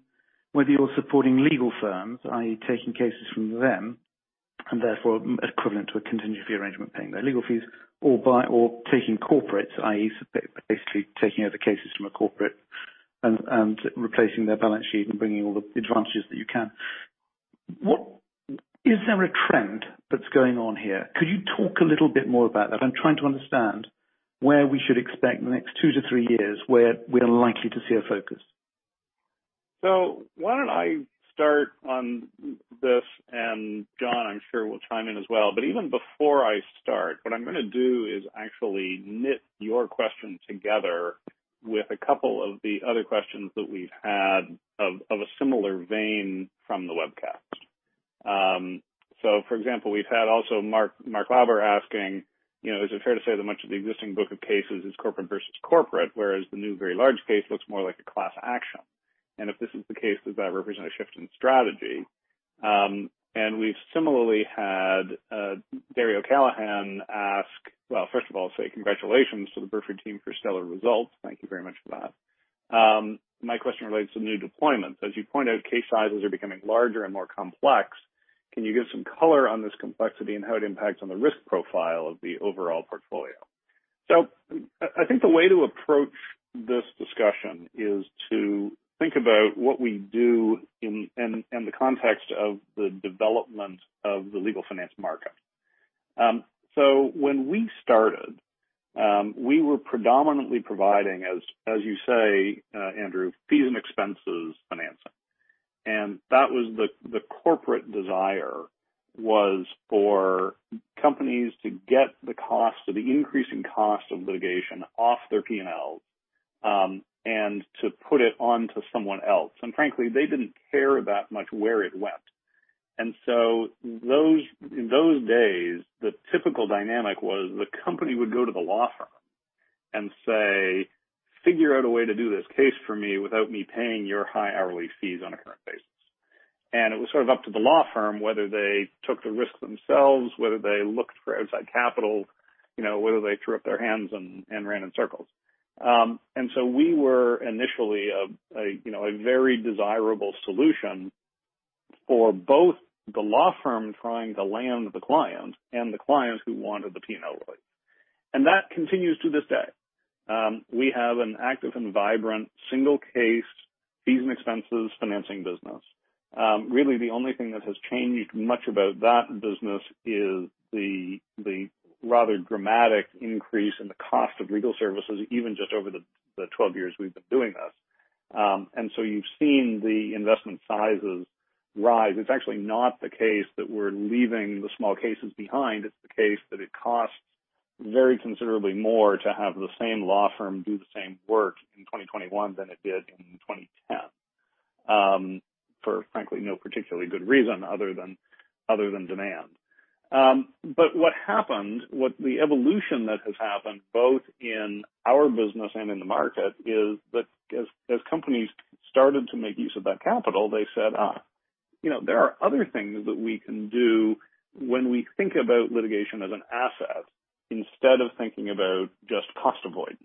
whether you're supporting legal firms, i.e., taking cases from them, and therefore equivalent to a contingency arrangement, paying their legal fees, or taking corporates, i.e., basically taking other cases from a corporate and replacing their balance sheet and bringing all the advantages that you can. Is there a trend that's going on here? Could you talk a little bit more about that? I'm trying to understand where we should expect in the next two to three years, where we're likely to see a focus. Why don't I start on this, and Jon, I'm sure, will chime in as well. Even before I start, what I'm going to do is actually knit your question together with a couple of the other questions that we've had of a similar vein from the webcast. For example, we've had also Mark Hiley asking, "Is it fair to say that much of the existing book of cases is corporate versus corporate, whereas the new very large case looks more like a class action? And if this is the case, does that represent a shift in strategy?" We've similarly had Gary O'Callaghan ask, well, first of all, say congratulations to the Burford team for stellar results. Thank you very much for that. My question relates to new deployments. As you pointed out, case sizes are becoming larger and more complex. Can you give some color on this complexity and how it impacts on the risk profile of the overall portfolio? I think the way to approach this discussion is to think about what we do in the context of the development of the legal finance market. When we started, we were predominantly providing, as you say, Andrew, fees and expenses financing. The corporate desire was for companies to get the increasing cost of litigation off their P&Ls, and to put it onto someone else. Frankly, they didn't care that much where it went. In those days, the typical dynamic was the company would go to the law firm and say, "Figure out a way to do this case for me without me paying your high hourly fees on a current basis." It was sort of up to the law firm, whether they took the risk themselves, whether they looked for outside capital, whether they threw up their hands and ran in circles. We were initially a very desirable solution for both the law firm trying to land the client and the client who wanted the P&L relief. That continues to this day. We have an active and vibrant single case fees and expenses financing business. Really, the only thing that has changed much about that business is the rather dramatic increase in the cost of legal services, even just over the 12 years we've been doing this. You've seen the investment sizes rise. It's actually not the case that we're leaving the small cases behind. It's the case that it costs very considerably more to have the same law firm do the same work in 2021 than it did in 2010, for frankly, no particularly good reason other than demand. What happened, what the evolution that has happened both in our business and in the market is that as companies started to make use of that capital, they said, "There are other things that we can do when we think about litigation as an asset instead of thinking about just cost avoidance.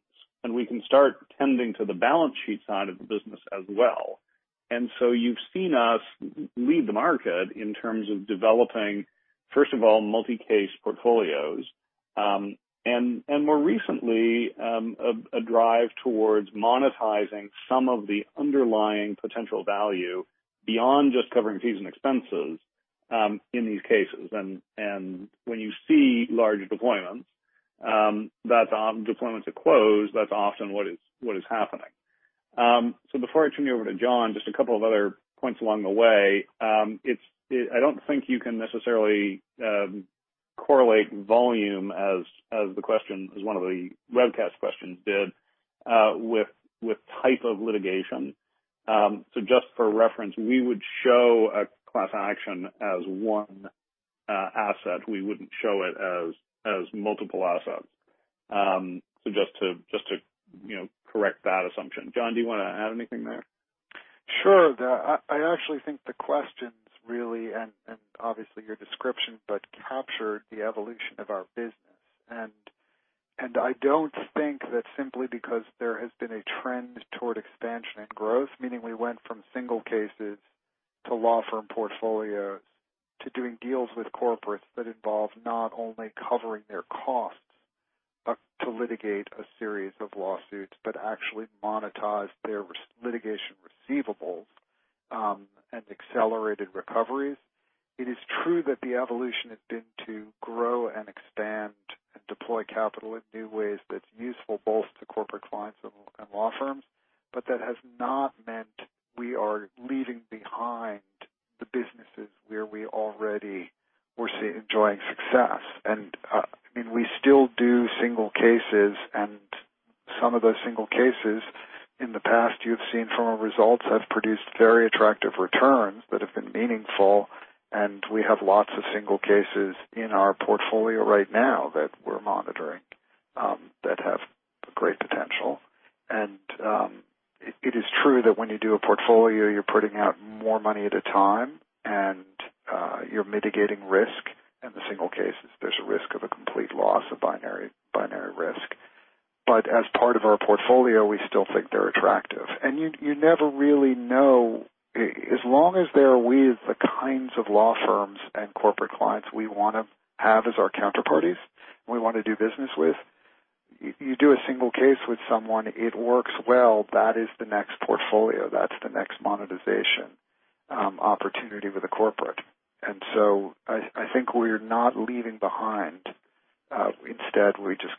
We can start tending to the balance sheet side of the business as well. You've seen us lead the market in terms of developing, first of all, multi-case portfolios, and more recently, a drive towards monetizing some of the underlying potential value beyond just covering fees and expenses in these cases. When you see large deployments, that deployments are closed, that's often what is happening. Before I turn you over to Jon, just a couple of other points along the way. I don't think you can necessarily correlate volume as one of the webcast questions did, with type of litigation. Just for reference, we would show a class action as one asset. We wouldn't show it as multiple assets. Just to correct that assumption. Jon, do you want to add anything there? Sure. I actually think the questions really, and obviously your description, captured the evolution of our business. I don't think that simply because there has been a trend toward expansion and growth, meaning we went from single cases to law firm portfolios to doing deals with corporates that involve not only covering their costs to litigate a series of lawsuits, but actually monetize their litigation receivables and accelerated recoveries. It is true that the evolution has been to grow and expand and deploy capital in new ways that's useful both to corporate clients and law firms. That has not meant we are leaving behind the businesses where we already were enjoying success. We still do single cases, and some of those single cases in the past you've seen from our results, have produced very attractive returns that have been meaningful. We have lots of single cases in our portfolio right now that we're monitoring, that have great potential. It is true that when you do a portfolio, you're putting out more money at a time, and you're mitigating risk. In the single cases, there's a risk of a complete loss, a binary risk. As part of our portfolio, we still think they're attractive. You never really know, as long as they're with the kinds of law firms and corporate clients we want to have as our counterparties, we want to do business with. You do a single case with someone, it works well, that is the next portfolio. That's the next monetization opportunity with a corporate. I think we're not leaving behind. Instead, we just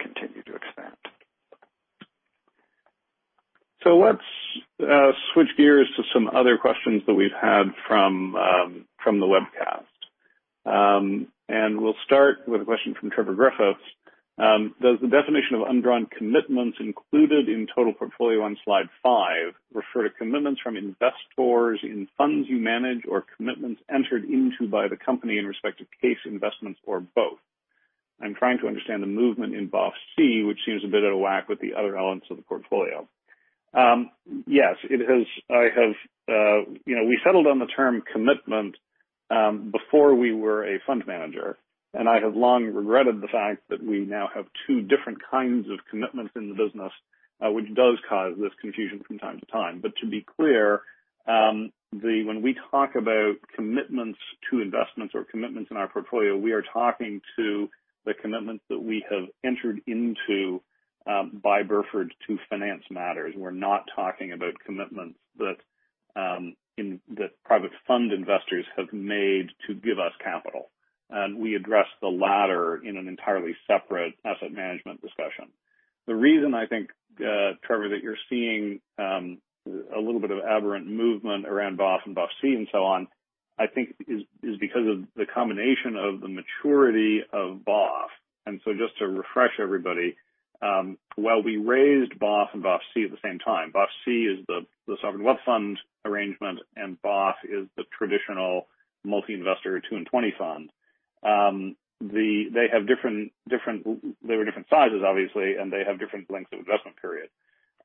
continue to expand. Let's switch gears to some other questions that we've had from the webcast. We'll start with a question from Trevor Griffiths. Does the definition of undrawn commitments included in total portfolio on slide five refer to commitments from investors in funds you manage or commitments entered into by the company in respect of case investments or both? I'm trying to understand the movement in BOF C, which seems a bit out of whack with the other elements of the portfolio. Yes. We settled on the term commitment before we were a fund manager, and I have long regretted the fact that we now have two different kinds of commitments in the business, which does cause this confusion from time to time. To be clear, when we talk about commitments to investments or commitments in our portfolio, we are talking to the commitments that we have entered into by Burford to finance matters. We are not talking about commitments that private fund investors have made to give us capital. We address the latter in an entirely separate asset management discussion. The reason I think, Trevor, that you are seeing a little bit of aberrant movement around BOF and BOF C and so on, I think is because of the combination of the maturity of BOF. Just to refresh everybody, while we raised BOF and BOF C at the same time, BOF C is the sovereign wealth fund arrangement, and BOF is the traditional multi-investor two and 20 fund. They were different sizes, obviously, and they have different lengths of investment period.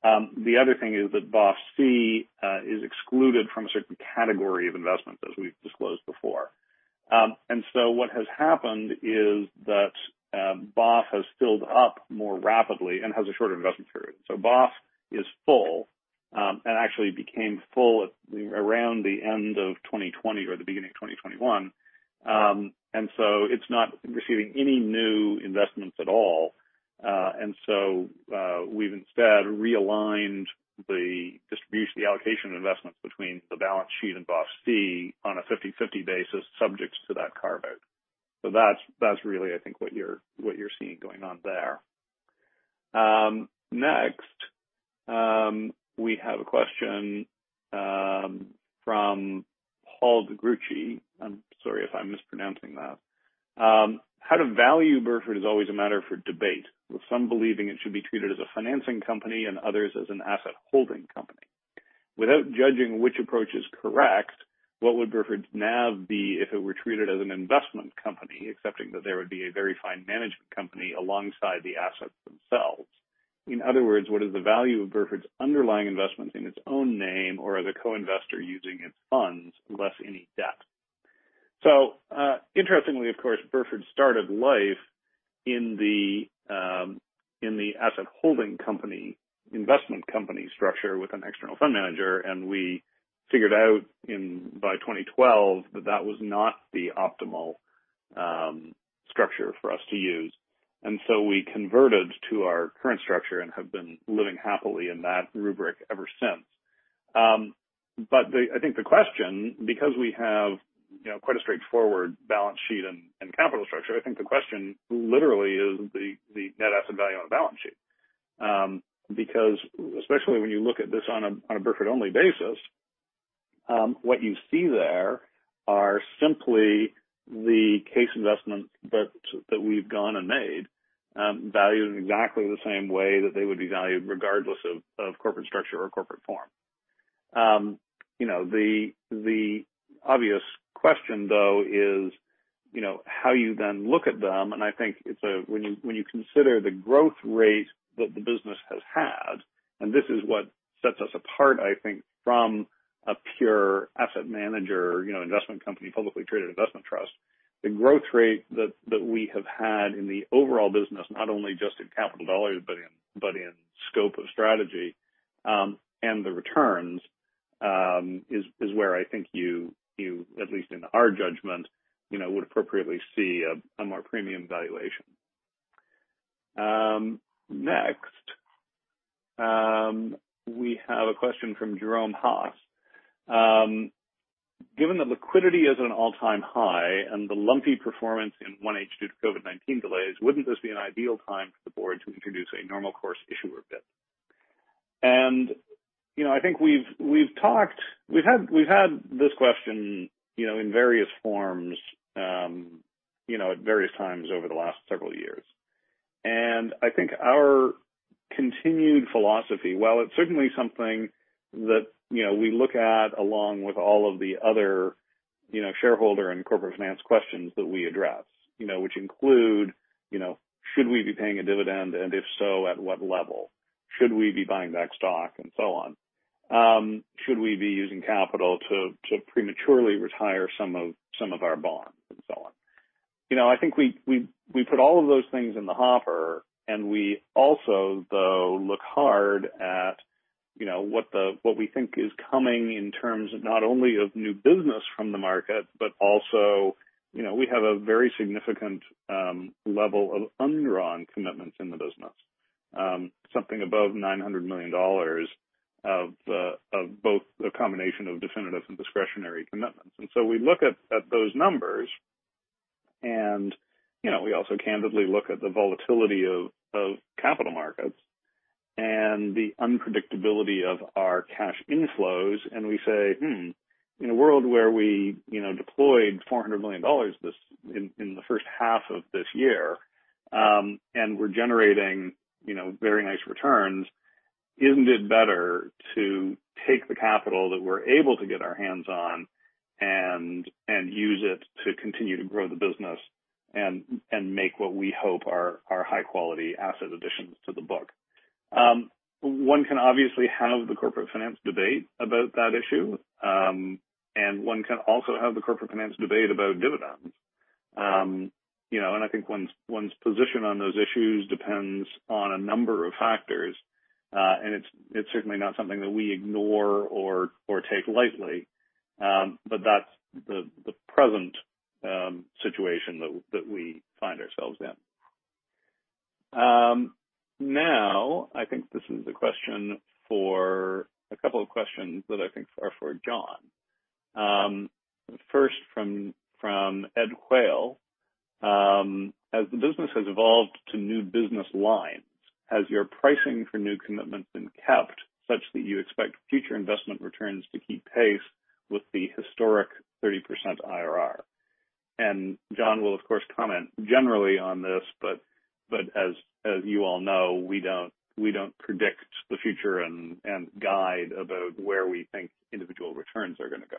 The other thing is that BOF C is excluded from a certain category of investments, as we've disclosed before. What has happened is that BOF has filled up more rapidly and has a shorter investment period. BOF is full, and actually became full around the end of 2020 or the beginning of 2021. It's not receiving any new investments at all. We've instead realigned the distribution, the allocation of investments between the balance sheet and BOF C on a 50/50 basis subject to that carve-out. That's really, I think, what you're seeing going on there. Next, we have a question from Paul du Toit. I'm sorry if I'm mispronouncing that. How to value Burford is always a matter for debate, with some believing it should be treated as a financing company and others as an asset holding company. Without judging which approach is correct, what would Burford's NAV be if it were treated as an investment company, excepting that there would be a very fine management company alongside the assets themselves? In other words, what is the value of Burford's underlying investments in its own name or as a co-investor using its funds less any debt? Interestingly, of course, Burford started life in the asset holding company, investment company structure with an external fund manager, and we figured out by 2012 that that was not the optimal structure for us to use. We converted to our current structure and have been living happily in that rubric ever since. I think the question, because we have quite a straightforward balance sheet and capital structure, the question literally is the net asset value on the balance sheet. Especially when you look at this on a Burford-only basis, what you see there are simply the case investments that we've gone and made, valued in exactly the same way that they would be valued regardless of corporate structure or corporate form. The obvious question, though, is how you then look at them. This is what sets us apart, from a pure asset manager, investment company, publicly traded investment trust. I think when you consider the growth rate that we have had in the overall business, not only just in capital dollars, but in scope of strategy, and the returns, is where I think you, at least in our judgment, would appropriately see a more premium valuation. Next, we have a question from Jeroen van den Hout. Given that liquidity is at an all-time high and the lumpy performance in 1H due to COVID-19 delays, wouldn't this be an ideal time for the board to introduce a normal course issuer bid? I think we've had this question in various forms at various times over the last several years. Our continued philosophy, while it's certainly something that we look at along with all of the other shareholder and corporate finance questions that we address which include, should we be paying a dividend? If so, at what level? Should we be buying back stock? So on. Should we be using capital to prematurely retire some of our bonds? So on. We put all of those things in the hopper. We also, though, look hard at what we think is coming in terms of not only of new business from the market, but also, we have a very significant level of undrawn commitments in the business. Something above $900 million of both a combination of definitive and discretionary commitments. We look at those numbers and we also candidly look at the volatility of capital markets and the unpredictability of our cash inflows, and we say, hmm, in a world where we deployed $400 million in the first half of this year, and we're generating very nice returns, isn't it better to take the capital that we're able to get our hands on and use it to continue to grow the business and make what we hope are high quality asset additions to the book? One can obviously have the corporate finance debate about that issue, and one can also have the corporate finance debate about dividends. One's position on those issues depends on a number of factors. It's certainly not something that we ignore or take lightly. That's the present situation that we find ourselves in. Now, this is a couple of questions that I think are for Jon. First from Ed Quayle. As the business has evolved to new business lines, has your pricing for new commitments been kept such that you expect future investment returns to keep pace with the historic 30% IRR? Jon will, of course, comment generally on this, but as you all know, we don't predict the future and guide about where we think individual returns are going to go.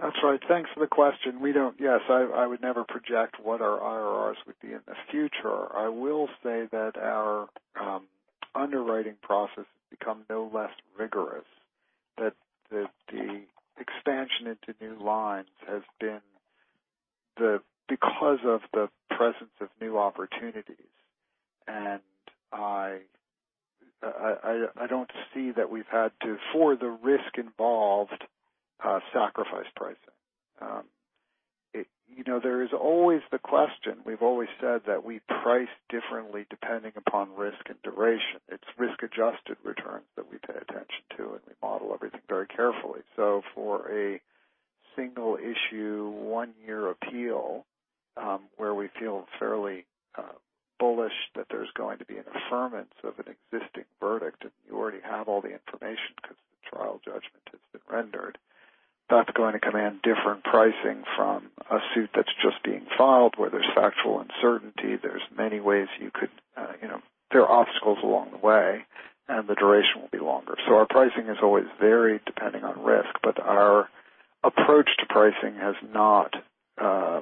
That's right. Thanks for the question. Yes, I would never project what our IRRs would be in the future. I will say that our underwriting process has become no less rigorous, that the expansion into new lines has been because of the presence of new opportunities. I don't see that we've had to, for the risk involved, sacrifice pricing. There is always the question. We've always said that we price differently depending upon risk and duration. It's risk-adjusted returns that we pay attention to, and we model everything very carefully. For a single-issue, one-year appeal, where we feel fairly bullish that there's going to be an affirmance of an existing verdict, and you already have all the information because the trial judgment has been rendered, that's going to command different pricing from a suit that's just being filed where there's factual uncertainty. There are obstacles along the way, and the duration will be longer. Our pricing has always varied depending on risk, but our approach to pricing has not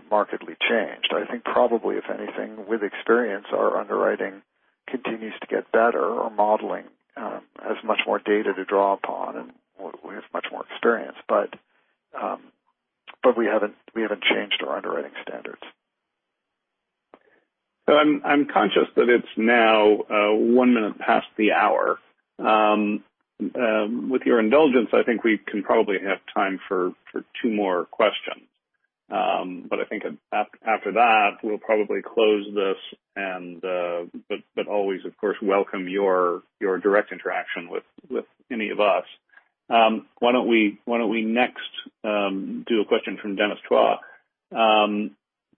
markedly changed. I think probably, if anything, with experience, our underwriting continues to get better. Our modeling has much more data to draw upon, and we have much more experience. We haven't changed our underwriting standards. I'm conscious that it's now one minute past the hour. With your indulgence, I think we can probably have time for two more questions. I think after that, we'll probably close this but always, of course, welcome your direct interaction with any of us. Why don't we next do a question from Dennis Chua?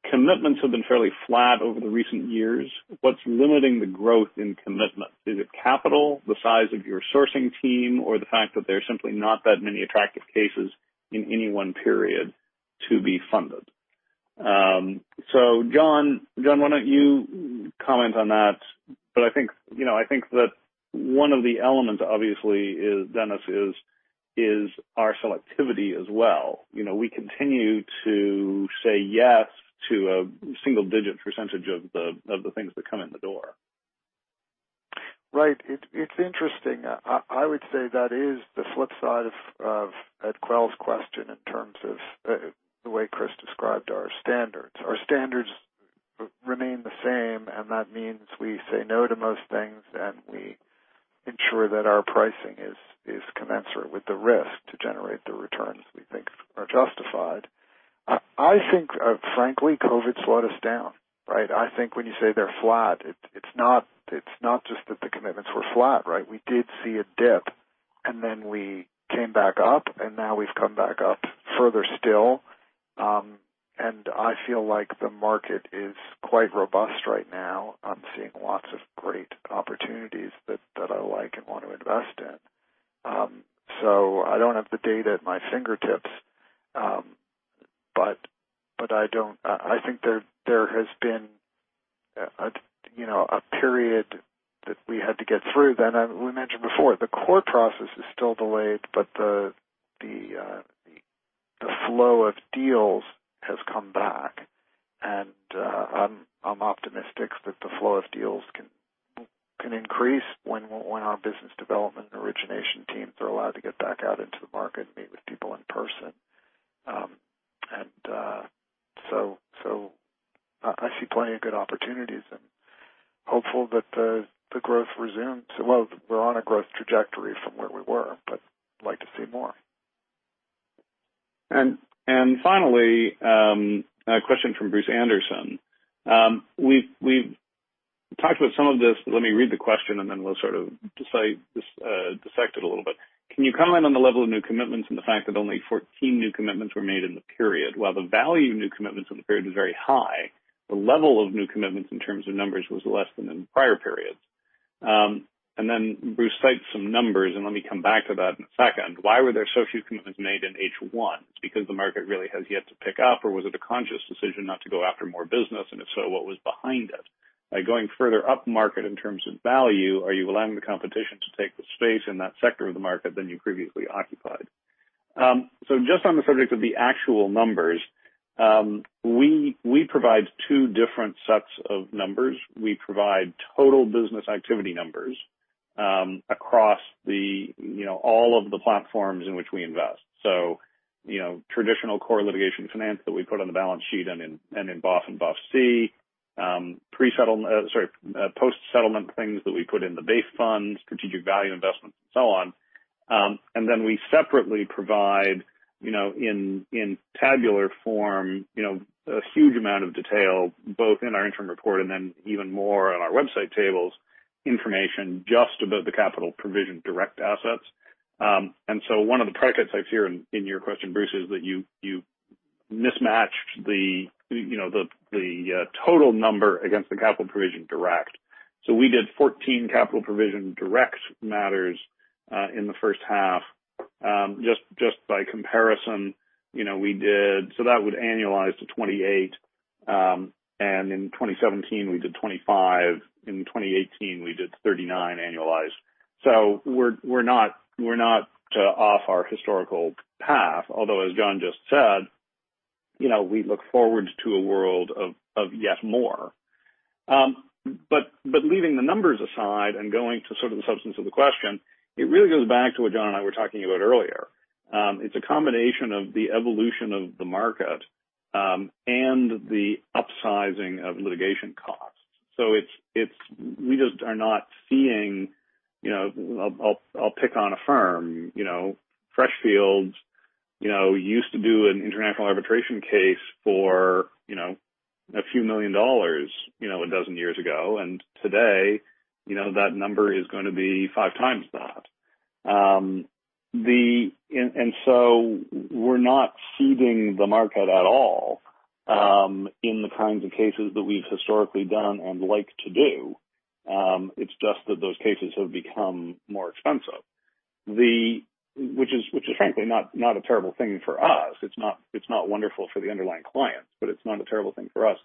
Commitments have been fairly flat over the recent years. What's limiting the growth in commitments? Is it capital, the size of your sourcing team, or the fact that there are simply not that many attractive cases in any one period to be funded? Jon, why don't you comment on that? I think that one of the elements, obviously, Dennis, is our selectivity as well. We continue to say yes to a single-digit percentage of the things that come in the door. It's interesting. I would say that is the flip side of Ed Quayle's question in terms of the way Chris described our standards. Our standards remain the same. That means we say no to most things. We ensure that our pricing is commensurate with the risk to generate the returns we think are justified. Frankly, COVID slowed us down. I think when you say they're flat, it's not just that the commitments were flat. We did see a dip. Then we came back up. Now we've come back up further still. I feel like the market is quite robust right now. I'm seeing lots of great opportunities that I like and want to invest in. I don't have the data at my fingertips. I think there has been a period that we had to get through. We mentioned before, the court process is still delayed, but the flow of deals has come back, and I'm optimistic that the flow of deals can increase when our business development and origination teams are allowed to get back out into the market and meet with people in person. I see plenty of good opportunities and hopeful that the growth resumes. We're on a growth trajectory from where we were, but I'd like to see more. Finally, a question from Bruce Anderson. We've talked about some of this. Let me read the question, then we'll sort of dissect it a little bit. "Can you comment on the level of new commitments and the fact that only 14 new commitments were made in the period, while the value of new commitments in the period was very high, the level of new commitments in terms of numbers was less than in prior periods?" Then Bruce cites some numbers, let me come back to that in a second. "Why were there so few commitments made in H1? Because the market really has yet to pick up, or was it a conscious decision not to go after more business? If so, what was behind it? By going further up market in terms of value, are you allowing the competition to take the space in that sector of the market than you previously occupied? Just on the subject of the actual numbers, we provide two different sets of numbers. We provide total business activity numbers across all of the platforms in which we invest. Traditional core litigation finance that we put on the balance sheet and in BOF and BOF C, post-settlement things that we put in the BAIF funds, strategic value investments and so on. We separately provide in tabular form, a huge amount of detail, both in our interim report and even more on our website tables, information just about the capital provision-direct assets, so one of the prejudices I hear in your question, Bruce, is that you mismatched the total number against the capital provision-direct. We did 14 capital provision-direct matters in the first half. Just by comparison, that would annualize to 28. In 2017, we did 25. In 2018, we did 39 annualized. We're not off our historical path, although, as Jon just said, we look forward to a world of yet more. Leaving the numbers aside and going to sort of the substance of the question, it really goes back to what Jon and I were talking about earlier. It's a combination of the evolution of the market, and the upsizing of litigation costs. We just are not seeing, I'll pick on a firm, Freshfields, used to do an international arbitration case for a few million dollars 12 years ago. Today, that number is going to be 5x that. We're not ceding the market at all in the kinds of cases that we've historically done and like to do. It's just that those cases have become more expensive. Which is frankly not a terrible thing for us. It's not wonderful for the underlying clients, but it's not a terrible thing for us.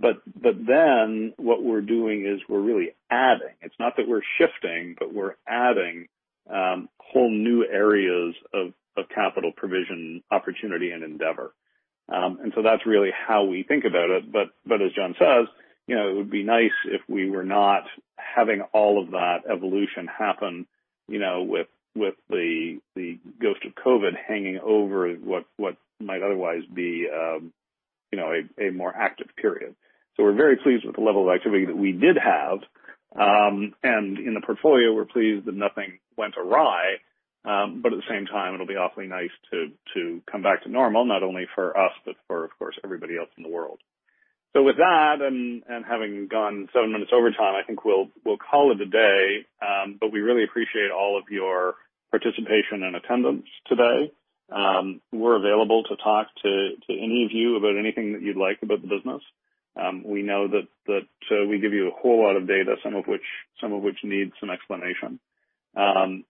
What we're doing is we're really adding. It's not that we're shifting, but we're adding whole new areas of capital provision opportunity and endeavor. That's really how we think about it. As Jon says, it would be nice if we were not having all of that evolution happen with the ghost of COVID hanging over what might otherwise be a more active period. We're very pleased with the level of activity that we did have. In the portfolio, we're pleased that nothing went awry. At the same time, it'll be awfully nice to come back to normal, not only for us, but for, of course, everybody else in the world. With that, and having gone seven minutes overtime, we'll call it a day. We really appreciate all of your participation and attendance today. We're available to talk to any of you about anything that you'd like about the business. We know that we give you a whole lot of data, some of which needs some explanation. Rob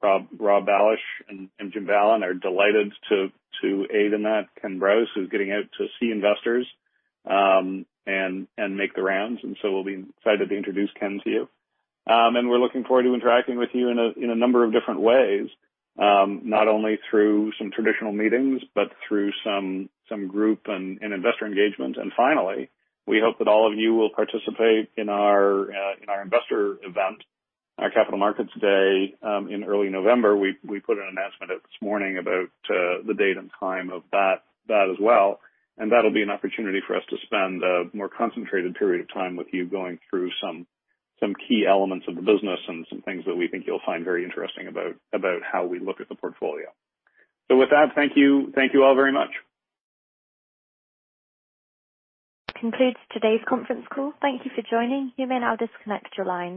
Bailhache and Jim Ballan are delighted to aid in that. Ken Brause, who's getting out to see investors, and make the rounds, we'll be excited to introduce Ken to you. We're looking forward to interacting with you in a number of different ways, not only through some traditional meetings, but through some group and investor engagement. Finally, we hope that all of you will participate in our investor event, our Capital Markets Day in early November. We put an announcement out this morning about the date and time of that as well, and that'll be an opportunity for us to spend a more concentrated period of time with you going through some key elements of the business and some things that we think you'll find very interesting about how we look at the portfolio. With that, thank you all very much. Concludes today's conference call. Thank you for joining. You may now disconnect your lines.